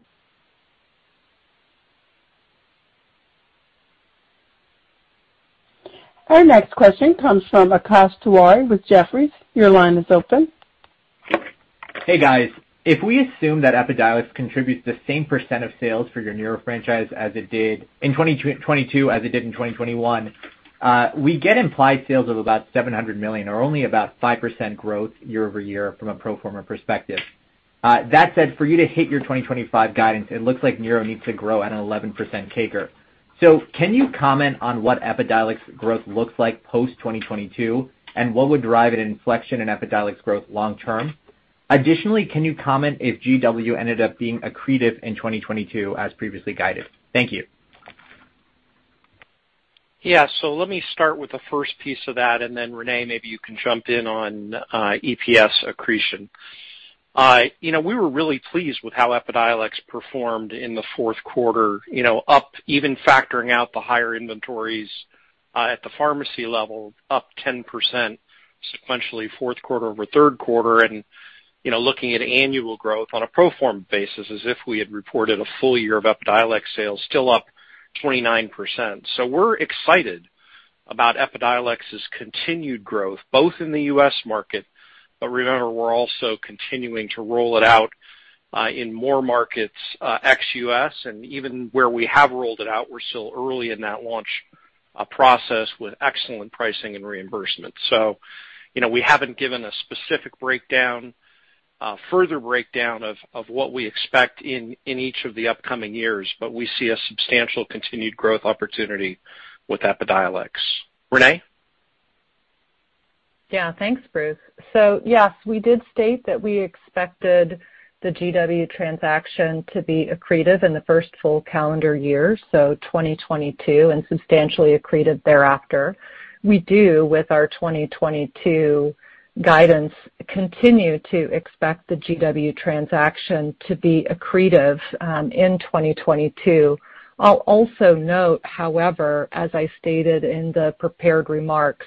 Our next question comes from Akash Tewari with Jefferies. Your line is open. Hey, guys. If we assume that Epidiolex contributes the same percent of sales for your neuro franchise as it did in 2022 as it did in 2021, we get implied sales of about $700 million or only about 5% growth year-over-year from a pro forma perspective. That said, for you to hit your 2025 guidance, it looks like neuro needs to grow at an 11% CAGR. Can you comment on what Epidiolex growth looks like post 2022, and what would drive an inflection in Epidiolex growth long term? Additionally, can you comment if GW ended up being accretive in 2022 as previously guided? Thank you. Yeah. Let me start with the first piece of that, and then Renée, maybe you can jump in on, EPS accretion. You know, we were really pleased with how Epidiolex performed in the fourth quarter, you know, up even factoring out the higher inventories, at the pharmacy level, up 10% sequentially fourth quarter over third quarter. You know, looking at annual growth on a pro forma basis as if we had reported a full year of Epidiolex sales still up 29%. We're excited about Epidiolex's continued growth, both in the U.S. market, but remember, we're also continuing to roll it out, in more markets, ex-U.S. And even where we have rolled it out, we're still early in that launch, process with excellent pricing and reimbursement. You know, we haven't given a specific breakdown, further breakdown of what we expect in each of the upcoming years, but we see a substantial continued growth opportunity with Epidiolex. Renée? Yeah. Thanks, Bruce. Yes, we did state that we expected the GW transaction to be accretive in the first full calendar year, so 2022, and substantially accretive thereafter. We do, with our 2022 guidance, continue to expect the GW transaction to be accretive in 2022. I'll also note, however, as I stated in the prepared remarks,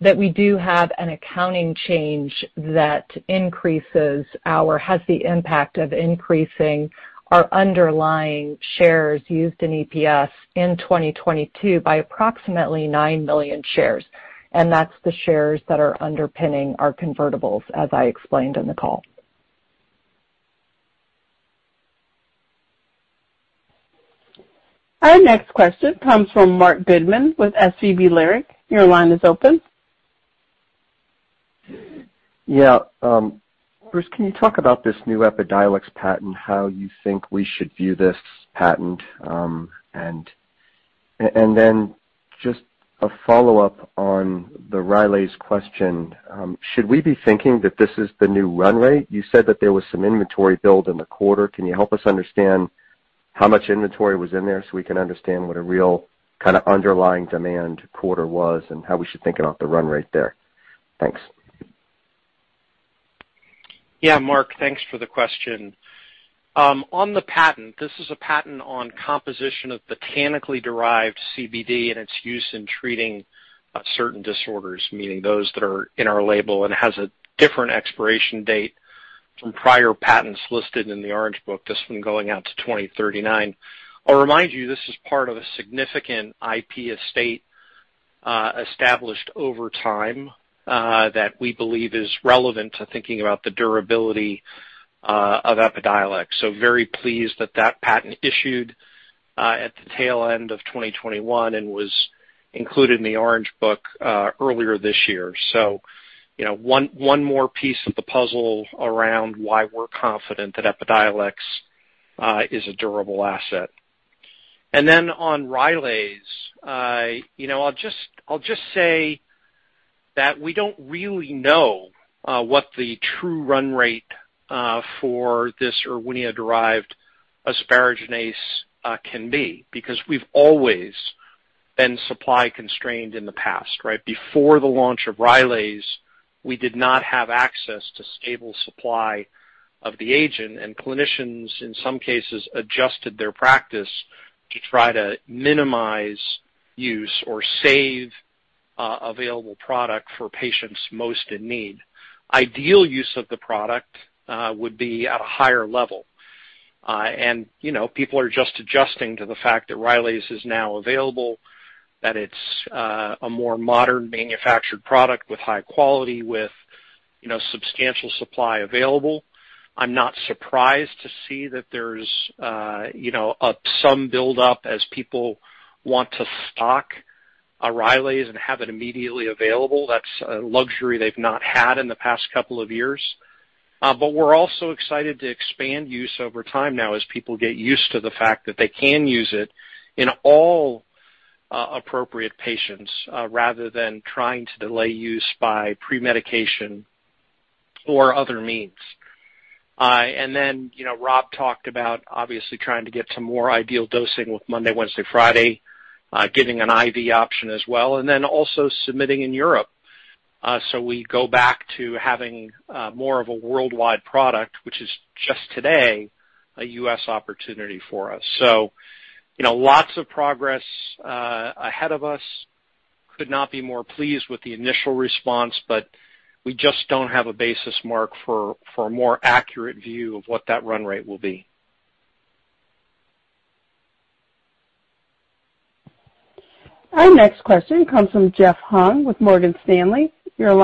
that we do have an accounting change that has the impact of increasing our underlying shares used in EPS in 2022 by approximately nine million shares. That's the shares that are underpinning our convertibles, as I explained in the call. Our next question comes from Marc Goodman with SVB Leerink. Your line is open. Yeah. Bruce, can you talk about this new Epidiolex patent, how you think we should view this patent? Then just a follow-up on the Rylaze question. Should we be thinking that this is the new run rate? You said that there was some inventory build in the quarter. Can you help us understand how much inventory was in there so we can understand what a real kinda underlying demand quarter was and how we should think about the run rate there? Thanks. Yeah. Marc, thanks for the question. On the patent, this is a patent on composition of botanically derived CBD and its use in treating certain disorders, meaning those that are in our label and has a different expiration date from prior patents listed in the Orange Book, this one going out to 2039. I'll remind you, this is part of a significant IP estate established over time that we believe is relevant to thinking about the durability of Epidiolex. Very pleased that patent issued at the tail end of 2021 and was included in the Orange Book earlier this year. You know, one more piece of the puzzle around why we're confident that Epidiolex is a durable asset. On Rylaze, you know, I'll just say that we don't really know what the true run rate for this Erwinia-derived asparaginase can be because we've always been supply constrained in the past, right? Before the launch of Rylaze, we did not have access to stable supply of the agent, and clinicians in some cases adjusted their practice to try to minimize use or save available product for patients most in need. Ideal use of the product would be at a higher level. You know, people are just adjusting to the fact that Rylaze is now available, that it's a more modern manufactured product with high quality, with, you know, substantial supply available. I'm not surprised to see that there's some buildup as people want to stock Rylaze and have it immediately available. That's a luxury they've not had in the past couple of years. We're also excited to expand use over time now as people get used to the fact that they can use it in all appropriate patients, rather than trying to delay use by premedication or other means. You know, Rob talked about obviously trying to get to more ideal dosing with Monday, Wednesday, Friday, getting an IV option as well, and then also submitting in Europe. We go back to having more of a worldwide product, which is just today a U.S. opportunity for us. You know, lots of progress ahead of us. Could not be more pleased with the initial response, but we just don't have a benchmark for a more accurate view of what that run rate will be. Our next question comes from Jeffrey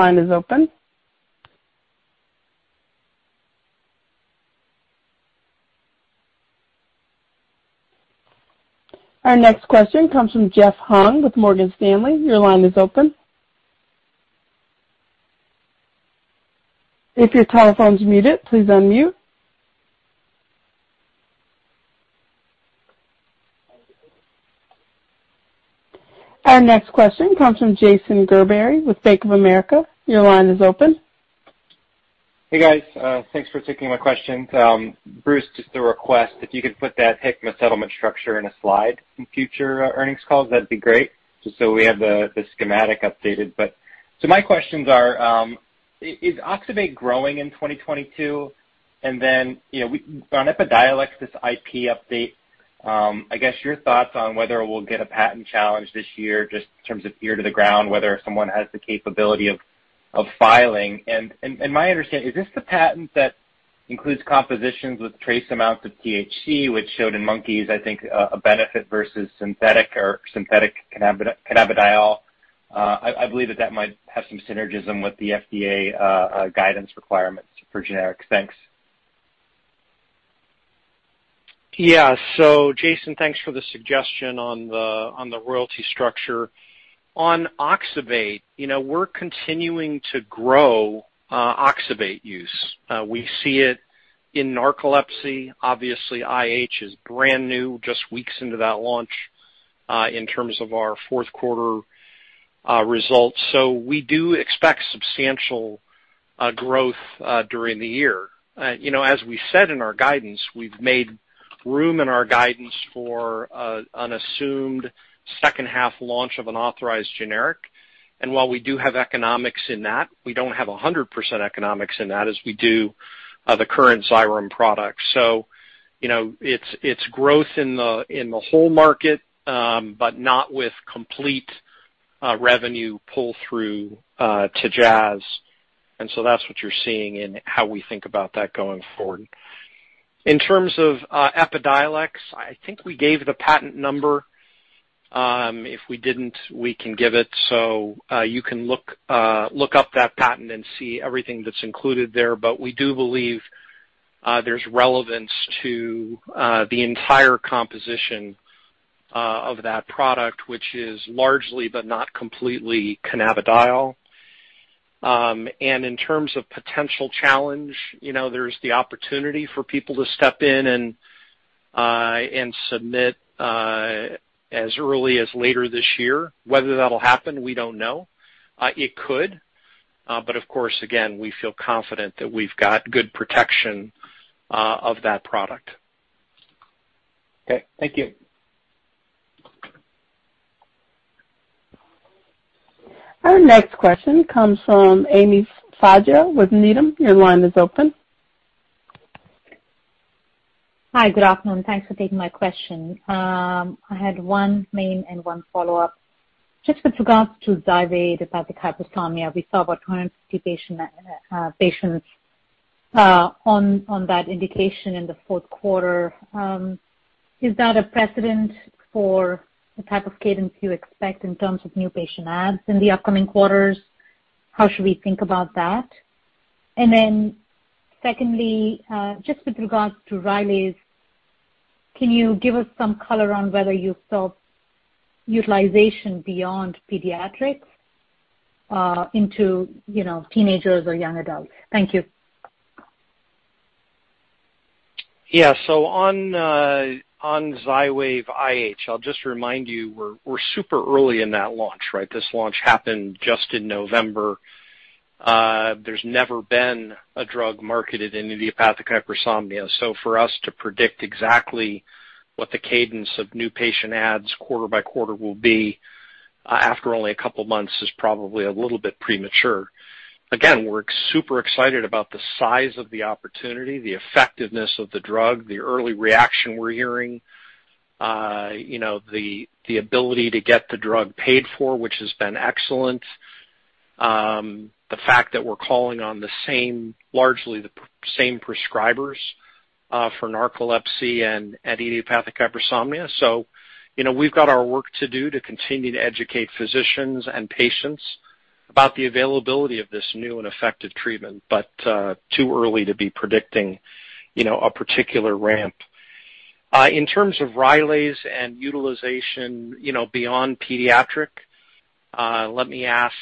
Hung with Morgan Stanley. Your line is open. If your telephone is muted, please unmute. Our next question comes from Jason Gerberry with Bank of America. Your line is open. Hey, guys. Thanks for taking my questions. Bruce, just a request. If you could put that Hikma settlement structure in a slide in future earnings calls, that'd be great, just so we have the schematic updated. My questions are, is oxybate growing in 2022? And then, you know, on Epidiolex, this IP update, I guess your thoughts on whether we'll get a patent challenge this year just in terms of ear to the ground, whether someone has the capability of filing. And my understanding, is this the patent that includes compositions with trace amounts of THC, which showed in monkeys, I think, a benefit versus synthetic cannabidiol? I believe that might have some synergism with the FDA guidance requirements for generics. Thanks. Yeah. Jason, thanks for the suggestion on the royalty structure. On oxybate, you know, we're continuing to grow oxybate use. We see it in narcolepsy. Obviously, IH is brand new, just weeks into that launch in terms of our fourth quarter results. We do expect substantial growth during the year. You know, as we said in our guidance, we've made room in our guidance for an assumed second half launch of an authorized generic. And while we do have economics in that, we don't have 100% economics in that as we do the current Xyrem product. You know, it's growth in the whole market, but not with complete revenue pull-through to Jazz. That's what you're seeing in how we think about that going forward. In terms of Epidiolex, I think we gave the patent number. If we didn't, we can give it so you can look up that patent and see everything that's included there. We do believe there's relevance to the entire composition of that product, which is largely but not completely cannabidiol. In terms of potential challenge, you know, there's the opportunity for people to step in and submit as early as later this year. Whether that'll happen, we don't know. It could. Of course, again, we feel confident that we've got good protection of that product. Okay. Thank you. Our next question comes from Ami Fadia with Needham. Your line is open. Hi. Good afternoon. Thanks for taking my question. I had one main and one follow-up. Just with regards to Xywav, the idiopathic hypersomnia, we saw about 250 patients on that indication in the fourth quarter. Is that a precedent for the type of cadence you expect in terms of new patient adds in the upcoming quarters? How should we think about that? Secondly, just with regards to Rylaze, can you give us some color on whether you saw utilization beyond pediatrics into you know, teenagers or young adults? Thank you. Yeah. On Xywav IH, I'll just remind you, we're super early in that launch, right? This launch happened just in November. There's never been a drug marketed in idiopathic hypersomnia. For us to predict exactly what the cadence of new patient adds quarter by quarter will be after only a couple months is probably a little bit premature. Again, we're super excited about the size of the opportunity, the effectiveness of the drug, the early reaction we're hearing, you know, the ability to get the drug paid for, which has been excellent. The fact that we're calling on the same, largely the same prescribers for narcolepsy and idiopathic hypersomnia. You know, we've got our work to do to continue to educate physicians and patients about the availability of this new and effective treatment, but too early to be predicting, you know, a particular ramp. In terms of Rylaze and utilization, you know, beyond pediatric, let me ask,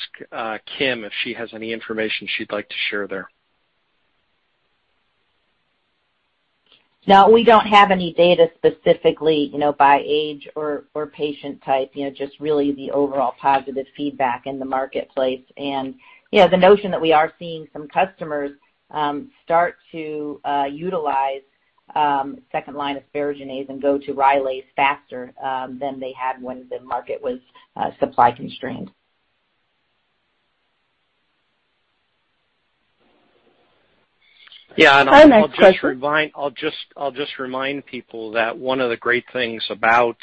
Kim if she has any information she'd like to share there. No, we don't have any data specifically, you know, by age or patient type, you know, just really the overall positive feedback in the marketplace. You know, the notion that we are seeing some customers start to utilize Second-line asparaginase and go to Rylaze faster than they had when the market was supply constrained. Yeah. Our next question. I'll just remind people that one of the great things about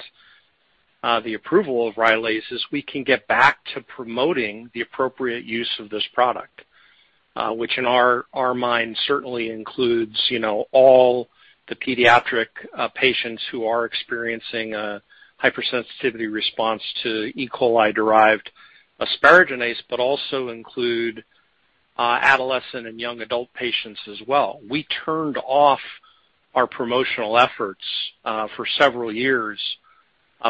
the approval of Rylaze is we can get back to promoting the appropriate use of this product, which in our mind certainly includes, you know, all the pediatric patients who are experiencing a hypersensitivity response to E. coli-derived asparaginase, but also include adolescent and young adult patients as well. We turned off our promotional efforts for several years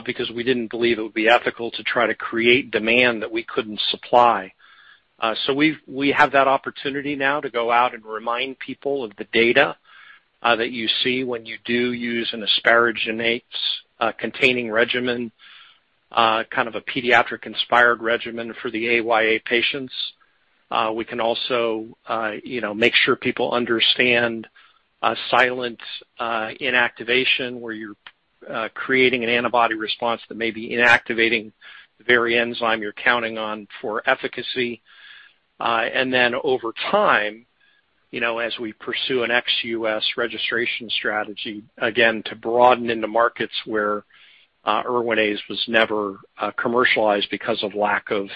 because we didn't believe it would be ethical to try to create demand that we couldn't supply. We have that opportunity now to go out and remind people of the data that you see when you do use an asparaginase containing regimen, kind of a pediatric-inspired regimen for the AYA patients. We can also, you know, make sure people understand silent inactivation, where you're creating an antibody response that may be inactivating the very enzyme you're counting on for efficacy. Then over time, you know, as we pursue an ex-U.S. registration strategy, again, to broaden into markets where Erwinaze was never commercialized because of lack of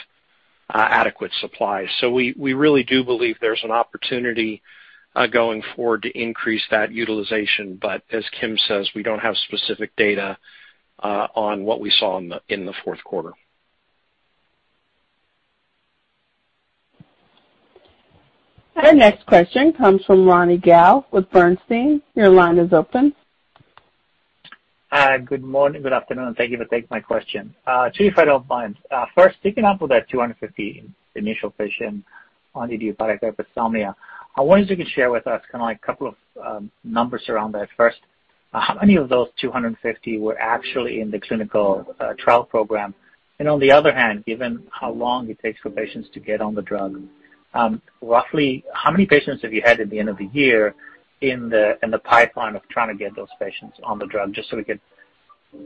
adequate supply. We really do believe there's an opportunity going forward to increase that utilization. As Kim says, we don't have specific data on what we saw in the fourth quarter. Our next question comes from Ronny Gal with Bernstein. Your line is open. Good morning, good afternoon, and thank you for taking my question. Two if I don't mind. First, picking up with that 250 initial patient on the idiopathic hypersomnia, I wonder if you could share with us kinda like a couple of numbers around that. First, how many of those 250 were actually in the clinical trial program? And on the other hand, given how long it takes for patients to get on the drug, roughly how many patients have you had at the end of the year in the pipeline of trying to get those patients on the drug, just so we could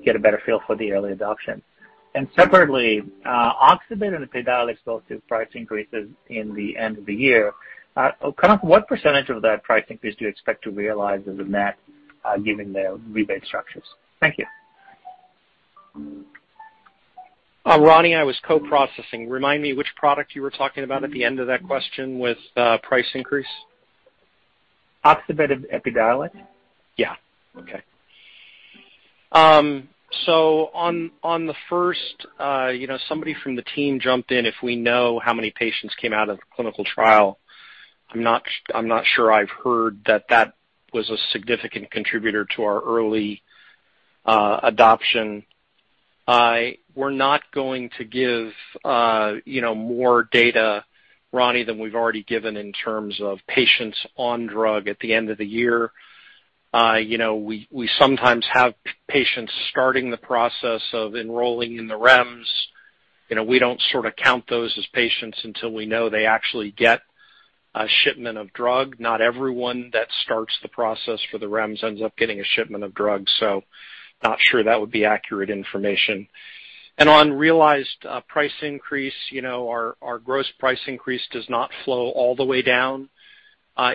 get a better feel for the early adoption? And separately, oxybate and Epidiolex both took price increases in the end of the year. Kind of what percentage of that price increase do you expect to realize as a net, given their rebate structures? Thank you. Ronny, I was co-presenting. Remind me which product you were talking about at the end of that question with price increase? oxybate and Epidiolex. Yeah. Okay. On the first, you know, somebody from the team jumped in if we know how many patients came out of the clinical trial. I'm not sure I've heard that was a significant contributor to our early adoption. We're not going to give, you know, more data, Ronny, than we've already given in terms of patients on drug at the end of the year. You know, we sometimes have patients starting the process of enrolling in the REMS. You know, we don't sort of count those as patients until we know they actually get a shipment of drug. Not everyone that starts the process for the REMS ends up getting a shipment of drugs, so not sure that would be accurate information. On realized price increase, you know, our gross price increase does not flow all the way down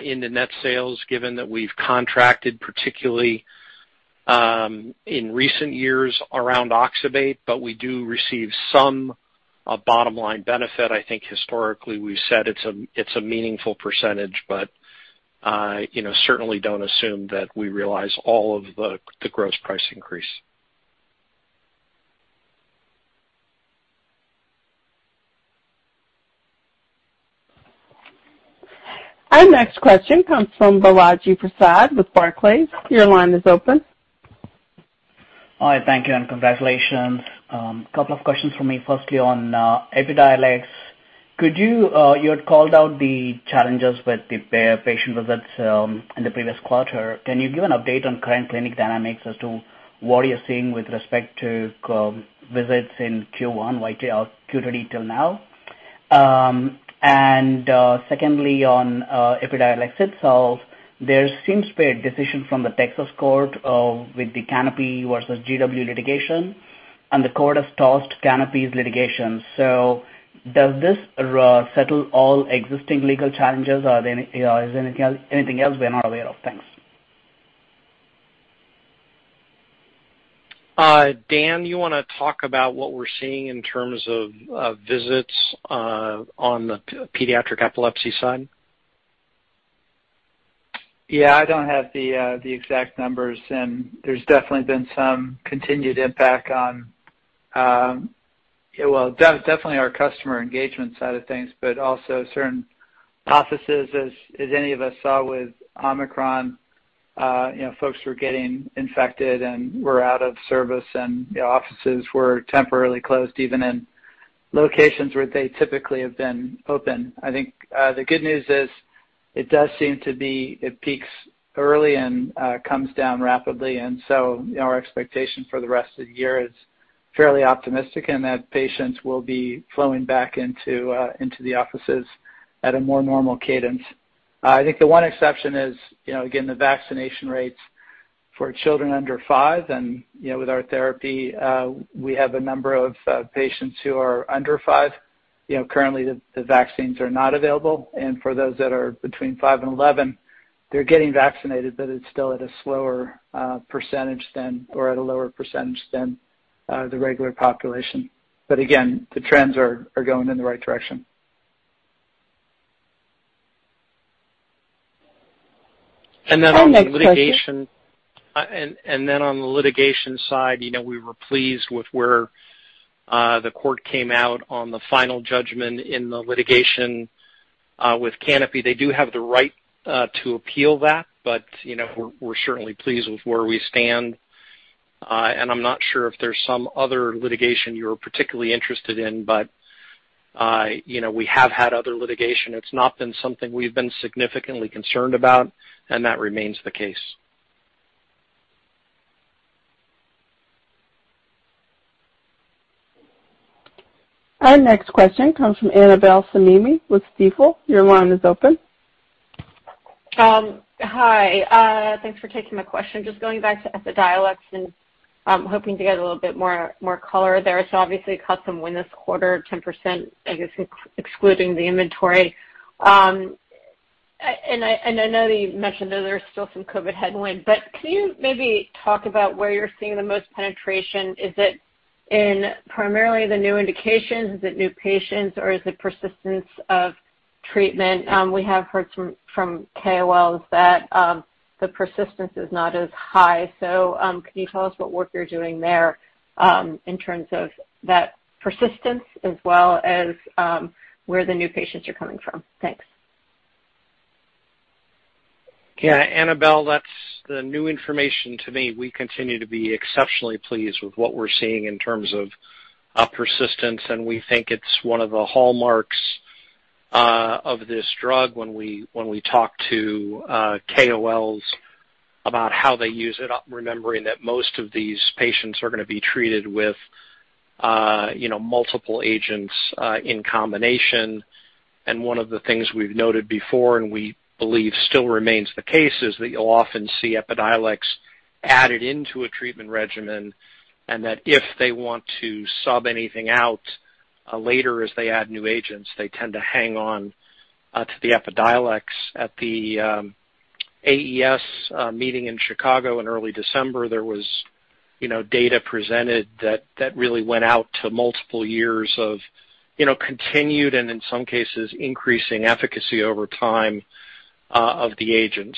into net sales given that we've contracted, particularly, in recent years around oxybate, but we do receive some bottom line benefit. I think historically we've said it's a meaningful percentage, but you know, certainly don't assume that we realize all of the gross price increase. Our next question comes from Balaji Prasad with Barclays. Your line is open. All right, thank you, and congratulations. Couple of questions from me, firstly on Epidiolex. Could you you had called out the challenges with the patient visits in the previous quarter. Can you give an update on current clinic dynamics as to what you're seeing with respect to visits in Q1 YTD or Q3 till now? Secondly, on Epidiolex itself, there seems to be a decision from the Texas court with the Canopy Growth versus GW Pharmaceuticals litigation, and the court has tossed Canopy's litigation. Does this settle all existing legal challenges or are there any or is anything else we're not aware of? Thanks. Dan, you wanna talk about what we're seeing in terms of visits on the pediatric epilepsy side? Yeah, I don't have the exact numbers, and there's definitely been some continued impact on, well, definitely our customer engagement side of things, but also certain offices. As any of us saw with Omicron, you know, folks were getting infected and were out of service, and the offices were temporarily closed, even in locations where they typically have been open. I think, the good news is it does seem to be it peaks early and comes down rapidly. You know, our expectation for the rest of the year is fairly optimistic in that patients will be flowing back into the offices at a more normal cadence. I think the one exception is, you know, again, the vaccination rates for children under five. You know, with our therapy, we have a number of patients who are under five. You know, currently the vaccines are not available. For those that are between five and 11, they're getting vaccinated, but it's still at a slower percentage than or at a lower percentage than the regular population. Again, the trends are going in the right direction. Our next question. On the litigation side, you know, we were pleased with where the court came out on the final judgment in the litigation with Canopy. They do have the right to appeal that. You know, we're certainly pleased with where we stand. I'm not sure if there's some other litigation you're particularly interested in, but you know, we have had other litigation. It's not been something we've been significantly concerned about, and that remains the case. Our next question comes from Annabel Samimy with Stifel. Your line is open. Hi. Thanks for taking my question. Just going back to Epidiolex and hoping to get a little bit more color there. Obviously, solid win this quarter, 10%, I guess, excluding the inventory. And I know that you mentioned that there's still some COVID headwind. But can you maybe talk about where you're seeing the most penetration? Is it primarily the new indications? Is it new patients, or is it persistence of treatment? We have heard from KOLs that the persistence is not as high. So can you tell us what work you're doing there in terms of that persistence as well as where the new patients are coming from? Thanks. Yeah, Annabel, that's news to me. We continue to be exceptionally pleased with what we're seeing in terms of persistence, and we think it's one of the hallmarks of this drug when we talk to KOLs about how they use it. Remembering that most of these patients are gonna be treated with you know, multiple agents in combination. One of the things we've noted before, and we believe still remains the case, is that you'll often see Epidiolex added into a treatment regimen. That if they want to sub anything out later as they add new agents, they tend to hang on to the Epidiolex. At the AES meeting in Chicago in early December, there was, you know, data presented that really went out to multiple years of, you know, continued and in some cases, increasing efficacy over time of the agent.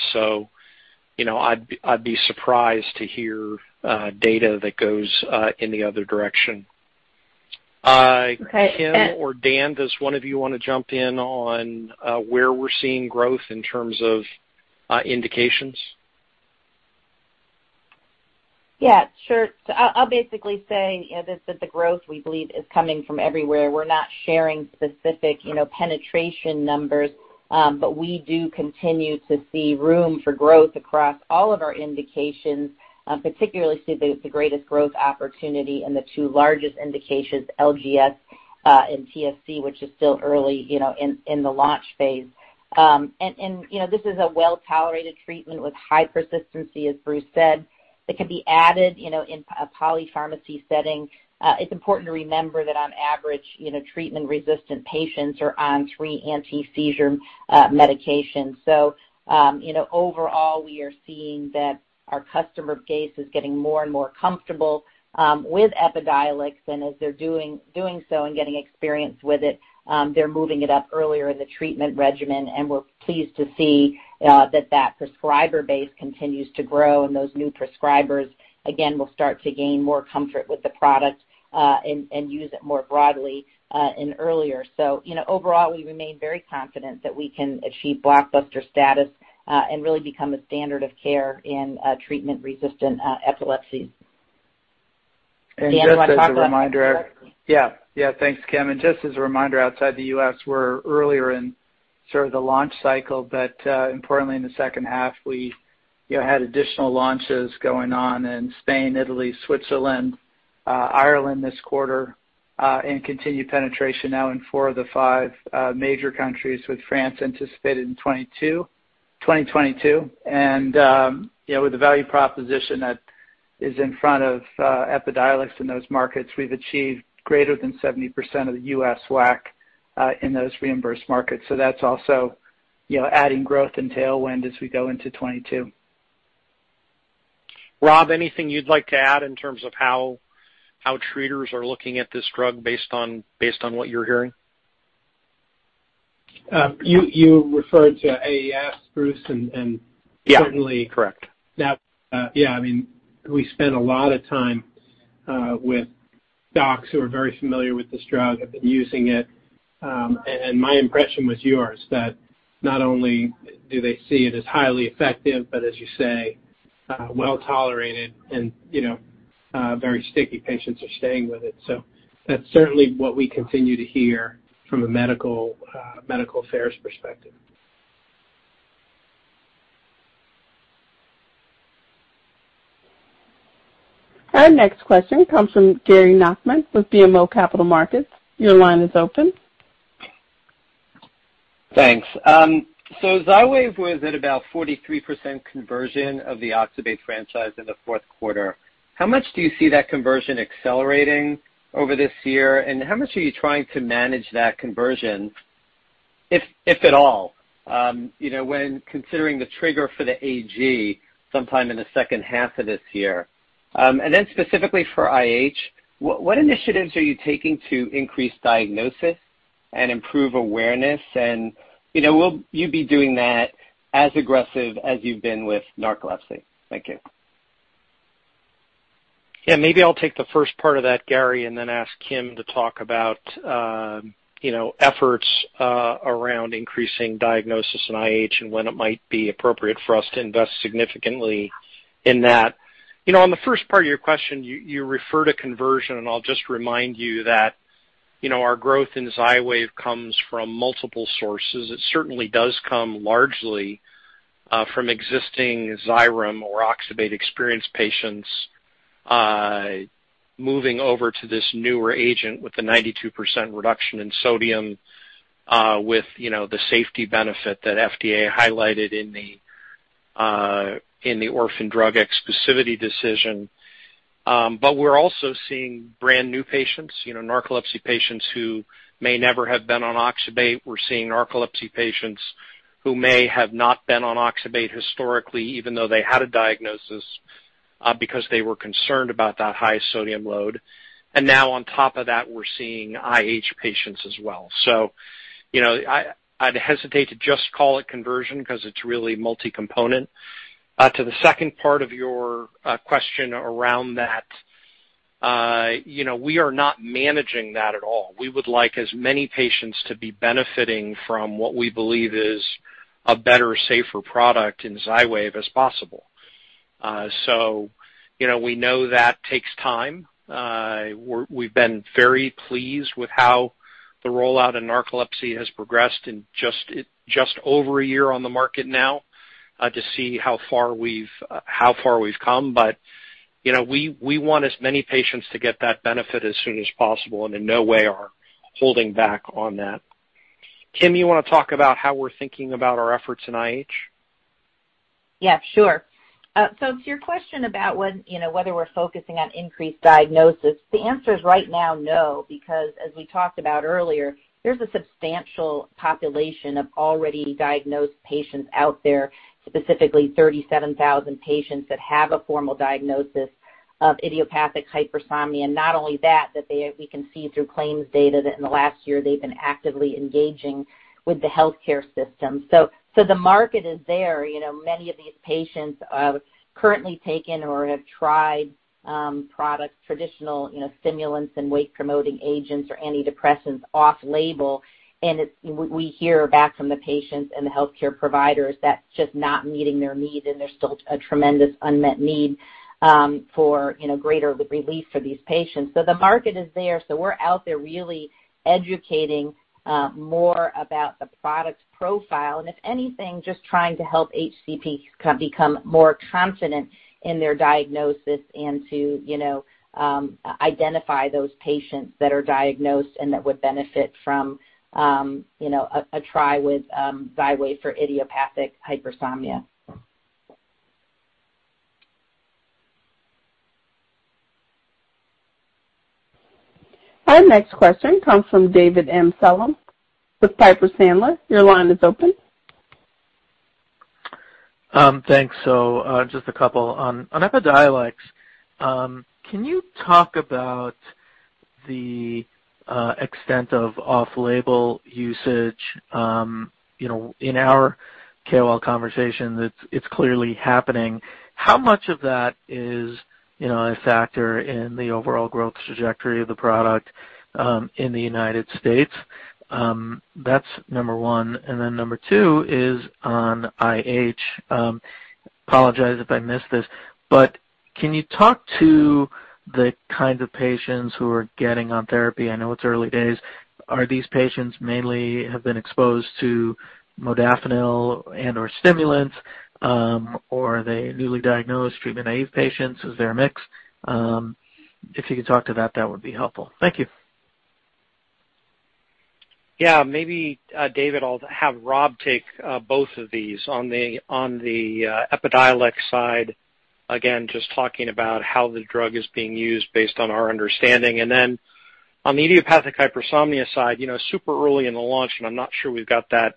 You know, I'd be surprised to hear data that goes in the other direction. Okay. Kim or Dan, does one of you wanna jump in on where we're seeing growth in terms of indications? Yeah, sure. I'll basically say, you know, that the growth we believe is coming from everywhere. We're not sharing specific, you know, penetration numbers. We do continue to see room for growth across all of our indications, particularly see the greatest growth opportunity in the two largest indications, LGS and TSC, which is still early, you know, in the launch phase. You know, this is a well-tolerated treatment with high persistency, as Bruce said. It can be added, you know, in a polypharmacy setting. It's important to remember that on average, you know, treatment-resistant patients are on three anti-seizure medications. You know, overall, we are seeing that our customer base is getting more and more comfortable with Epidiolex. As they're doing so and getting experience with it, they're moving it up earlier in the treatment regimen. We're pleased to see that prescriber base continues to grow. Those new prescribers, again, will start to gain more comfort with the product, and use it more broadly, and earlier. You know, overall, we remain very confident that we can achieve blockbuster status, and really become a standard of care in treatment-resistant epilepsy. Dan, do you wanna talk about- Just as a reminder, outside the U.S., we're earlier in sort of the launch cycle. Importantly in the second half, we, you know, had additional launches going on in Spain, Italy, Switzerland, Ireland this quarter. Continued penetration now in four of the five major countries with France anticipated in 2022. You know, with the value proposition that is in front of Epidiolex in those markets, we've achieved greater than 70% of the U.S. WAC in those reimbursed markets. That's also, you know, adding growth and tailwind as we go into 2022. Rob, anything you'd like to add in terms of how treaters are looking at this drug based on what you're hearing? You referred to AES, Bruce, and. Yeah. Certainly. Correct. Now, yeah, I mean, we spent a lot of time with docs who are very familiar with this drug, have been using it. My impression was yours, that not only do they see it as highly effective, but as you say, well tolerated and, you know, very sticky, patients are staying with it. That's certainly what we continue to hear from a medical affairs perspective. Our next question comes from Gary Nachman with BMO Capital Markets. Your line is open. Thanks. So Xywav was at about 43% conversion of the oxybate franchise in the fourth quarter. How much do you see that conversion accelerating over this year? How much are you trying to manage that conversion, if at all, you know, when considering the trigger for the AG sometime in the second half of this year? Specifically for IH, what initiatives are you taking to increase diagnosis and improve awareness? You know, will you be doing that as aggressive as you've been with narcolepsy? Thank you. Yeah, maybe I'll take the first part of that, Gary, and then ask Kim to talk about, you know, efforts around increasing diagnosis in IH and when it might be appropriate for us to invest significantly in that. You know, on the first part of your question, you refer to conversion, and I'll just remind you that, you know, our growth in Xywav comes from multiple sources. It certainly does come largely from existing Xyrem or oxybate experienced patients moving over to this newer agent with a 92% reduction in sodium, with, you know, the safety benefit that FDA highlighted in the orphan drug exclusivity decision. But we're also seeing brand-new patients, you know, narcolepsy patients who may never have been on oxybate. We're seeing narcolepsy patients who may have not been on oxybate historically, even though they had a diagnosis, because they were concerned about that high sodium load. Now on top of that, we're seeing IH patients as well. You know, I'd hesitate to just call it conversion because it's really multi-component. To the second part of your question around that, you know, we are not managing that at all. We would like as many patients to be benefiting from what we believe is a better, safer product in Xywav as possible. You know, we know that takes time. We've been very pleased with how the rollout in narcolepsy has progressed in just over a year on the market now, to see how far we've come. You know, we want as many patients to get that benefit as soon as possible and in no way are holding back on that. Kim, you want to talk about how we're thinking about our efforts in IH? Yeah, sure. To your question about when, you know, whether we're focusing on increased diagnosis, the answer is right now, no, because as we talked about earlier, there's a substantial population of already diagnosed patients out there, specifically 37,000 patients that have a formal diagnosis of idiopathic hypersomnia. Not only that, we can see through claims data that in the last year, they've been actively engaging with the healthcare system. The market is there. You know, many of these patients have currently taken or have tried products, traditional, you know, stimulants and wake-promoting agents or antidepressants off-label. We hear back from the patients and the healthcare providers that's just not meeting their need, and there's still a tremendous unmet need for, you know, greater relief for these patients. The market is there. We're out there really educating more about the product's profile, and if anything, just trying to help HCP become more confident in their diagnosis and to, you know, identify those patients that are diagnosed and that would benefit from, you know, a try with Xywav for idiopathic hypersomnia. Our next question comes from David Amsellem with Piper Sandler. Your line is open. Thanks. Just a couple. On Epidiolex, can you talk about the extent of off-label usage? You know, in our KOL conversation, it's clearly happening. How much of that is, you know, a factor in the overall growth trajectory of the product in the United States? That's number one. Number two is on IH. I apologize if I missed this, but can you talk to the kind of patients who are getting on therapy? I know it's early days. Are these patients mainly have been exposed to modafinil and/or stimulants, or are they newly diagnosed treatment-naive patients? Is there a mix? If you could talk to that would be helpful. Thank you. Yeah. Maybe, David, I'll have Rob take both of these. On the Epidiolex side, again, just talking about how the drug is being used based on our understanding. On the idiopathic hypersomnia side, you know, super early in the launch, and I'm not sure we've got that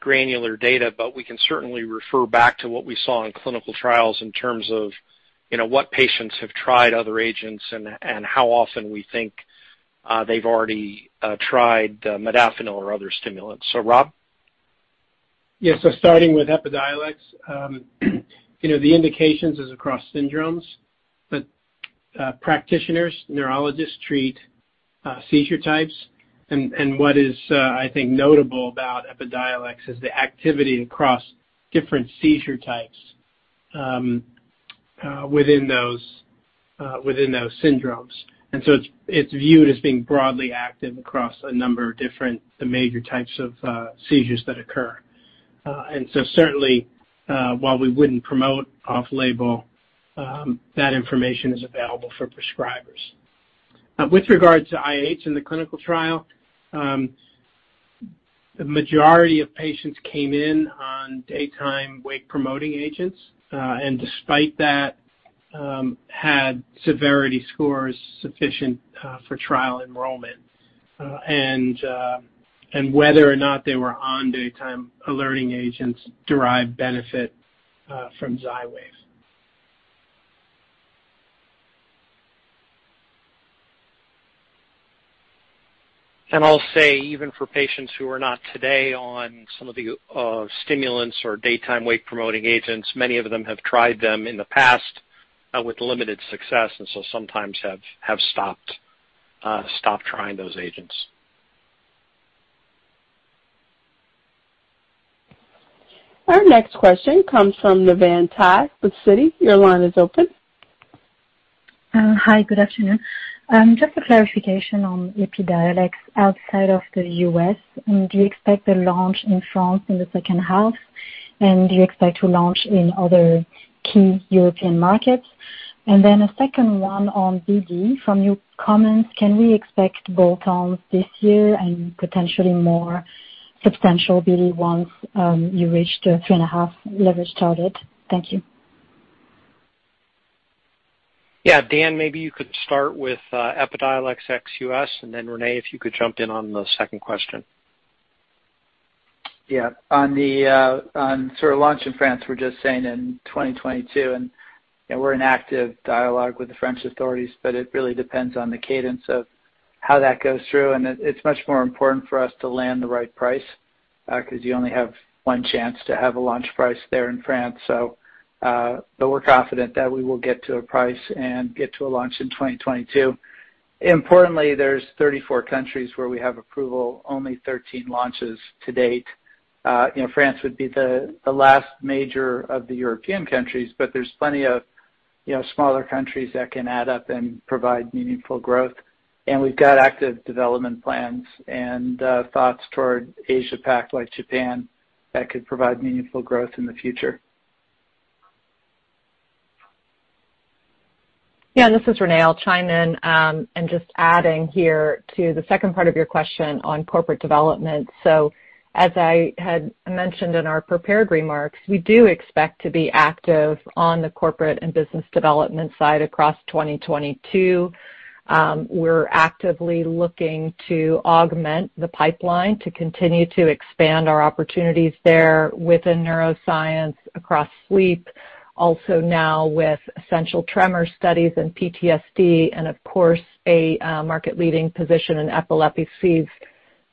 granular data, but we can certainly refer back to what we saw in clinical trials in terms of, you know, what patients have tried other agents and how often we think they've already tried modafinil or other stimulants. Rob? Yeah. Starting with Epidiolex, you know, the indications is across syndromes, but practitioners, neurologists treat seizure types. What is, I think notable about Epidiolex is the activity across different seizure types. Within those syndromes. It's viewed as being broadly active across a number of different major types of seizures that occur. Certainly, while we wouldn't promote off-label, that information is available for prescribers. With regards to IH in the clinical trial, the majority of patients came in on daytime wake-promoting agents and despite that, had severity scores sufficient for trial enrollment. Whether or not they were on daytime alerting agents derive benefit from Xywav. I'll say, even for patients who are not today on some of the stimulants or daytime wake-promoting agents, many of them have tried them in the past with limited success, and so sometimes have stopped trying those agents. Our next question comes from Navann Ty with Citi. Your line is open. Hi. Good afternoon. Just a clarification on Epidiolex outside of the U.S. Do you expect the launch in France in the second half? Do you expect to launch in other key European markets? A second one on BD. From your comments, can we expect bolt-ons this year and potentially more substantial BD once you reach the 3.5 leverage target? Thank you. Yeah. Dan, maybe you could start with Epidiolex ex-US, and then Renée, if you could jump in on the second question. Yeah. On sort of launch in France, we're just saying in 2022. You know, we're in active dialogue with the French authorities, but it really depends on the cadence of how that goes through. It's much more important for us to land the right price, 'cause you only have one chance to have a launch price there in France. But we're confident that we will get to a price and get to a launch in 2022. Importantly, there's 34 countries where we have approval, only 13 launches to date. You know, France would be the last major of the European countries, but there's plenty of smaller countries that can add up and provide meaningful growth. We've got active development plans and thoughts toward Asia-Pac, like Japan, that could provide meaningful growth in the future. Yeah, this is Renée. I'll chime in. Just adding here to the second part of your question on corporate development. As I had mentioned in our prepared remarks, we do expect to be active on the corporate and business development side across 2022. We're actively looking to augment the pipeline to continue to expand our opportunities there within neuroscience, across sleep, also now with essential tremor studies and PTSD and, of course, market-leading position in epilepsy seizures.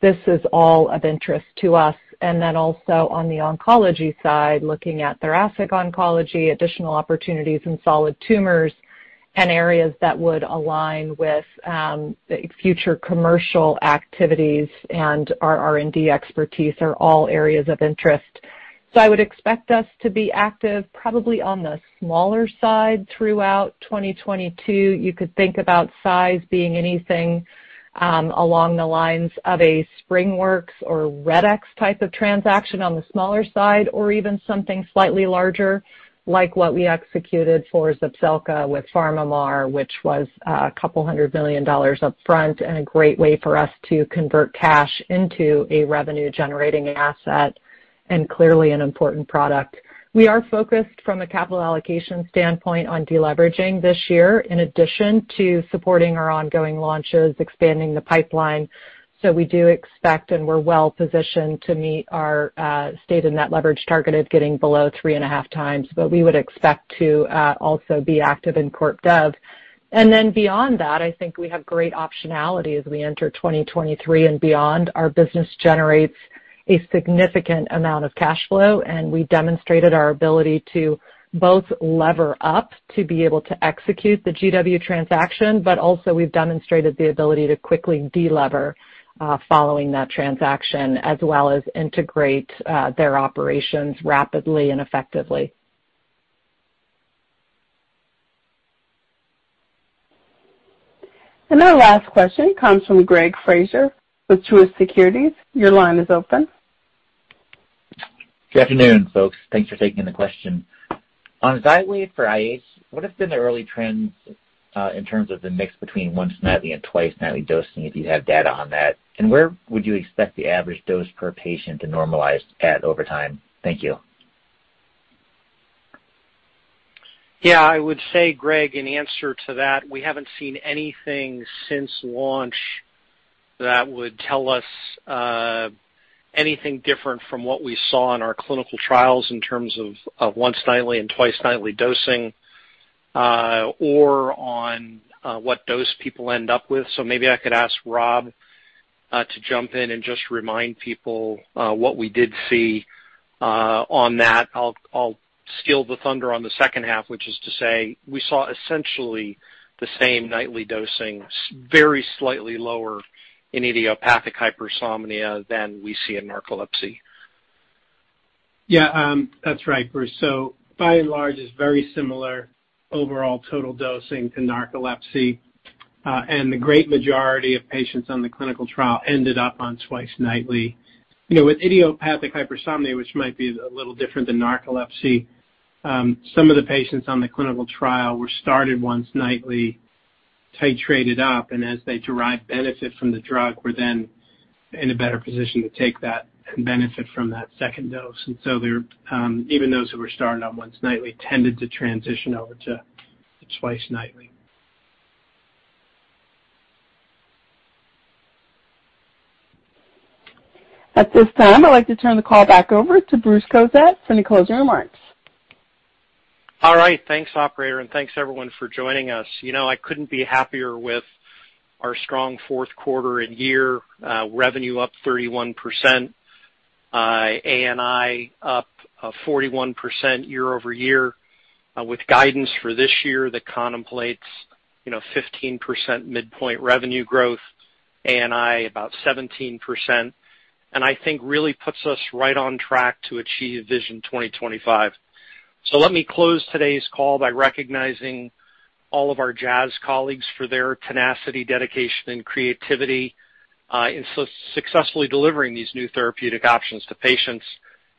This is all of interest to us. Then also on the oncology side, looking at thoracic oncology, additional opportunities in solid tumors, and areas that would align with the future commercial activities and our R&D expertise are all areas of interest. I would expect us to be active probably on the smaller side throughout 2022. You could think about size being anything along the lines of a SpringWorks or Redx type of transaction on the smaller side, or even something slightly larger, like what we executed for Zepzelca with PharmaMar, which was $200 million up front and a great way for us to convert cash into a revenue-generating asset and clearly an important product. We are focused from a capital allocation standpoint on deleveraging this year, in addition to supporting our ongoing launches, expanding the pipeline. We do expect and we're well positioned to meet our stated net leverage target of getting below 3.5x. We would expect to also be active in corp dev. Then beyond that, I think we have great optionality as we enter 2023 and beyond. Our business generates a significant amount of cash flow, and we demonstrated our ability to both lever up to be able to execute the GW transaction, but also we've demonstrated the ability to quickly delever, following that transaction, as well as integrate their operations rapidly and effectively. Our last question comes from Greg Fraser with Truist Securities. Your line is open. Good afternoon, folks. Thanks for taking the question. On Xywav for IH, what have been the early trends in terms of the mix between once nightly and twice nightly dosing, if you have data on that? And where would you expect the average dose per patient to normalize at over time? Thank you. Yeah. I would say, Greg, in answer to that, we haven't seen anything since launch that would tell us anything different from what we saw in our clinical trials in terms of once nightly and twice nightly dosing or on what dose people end up with. Maybe I could ask Rob to jump in and just remind people what we did see on that. I'll steal the thunder on the second half, which is to say we saw essentially the same nightly dosing, very slightly lower in idiopathic hypersomnia than we see in narcolepsy. Yeah, that's right, Bruce. By and large, it's very similar overall total dosing to narcolepsy. The great majority of patients on the clinical trial ended up on twice nightly. You know, with idiopathic hypersomnia, which might be a little different than narcolepsy, some of the patients on the clinical trial were started once nightly, titrated up, and as they derived benefit from the drug, were then in a better position to take that and benefit from that second dose. Even those who were started on once nightly tended to transition over to twice nightly. At this time, I'd like to turn the call back over to Bruce Cozadd for any closing remarks. All right. Thanks, operator, and thanks, everyone, for joining us. You know, I couldn't be happier with our strong fourth quarter and year, revenue up 31%, ANI up 41% year-over-year, with guidance for this year that contemplates, you know, 15% midpoint revenue growth, ANI about 17%, and I think really puts us right on track to achieve Vision 2025. Let me close today's call by recognizing all of our Jazz colleagues for their tenacity, dedication, and creativity in successfully delivering these new therapeutic options to patients.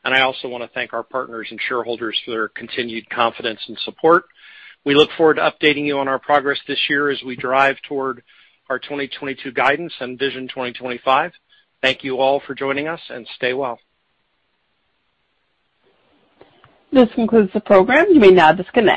I also wanna thank our partners and shareholders for their continued confidence and support. We look forward to updating you on our progress this year as we drive toward our 2022 guidance and Vision 2025. Thank you all for joining us, and stay well. This concludes the program. You may now disconnect.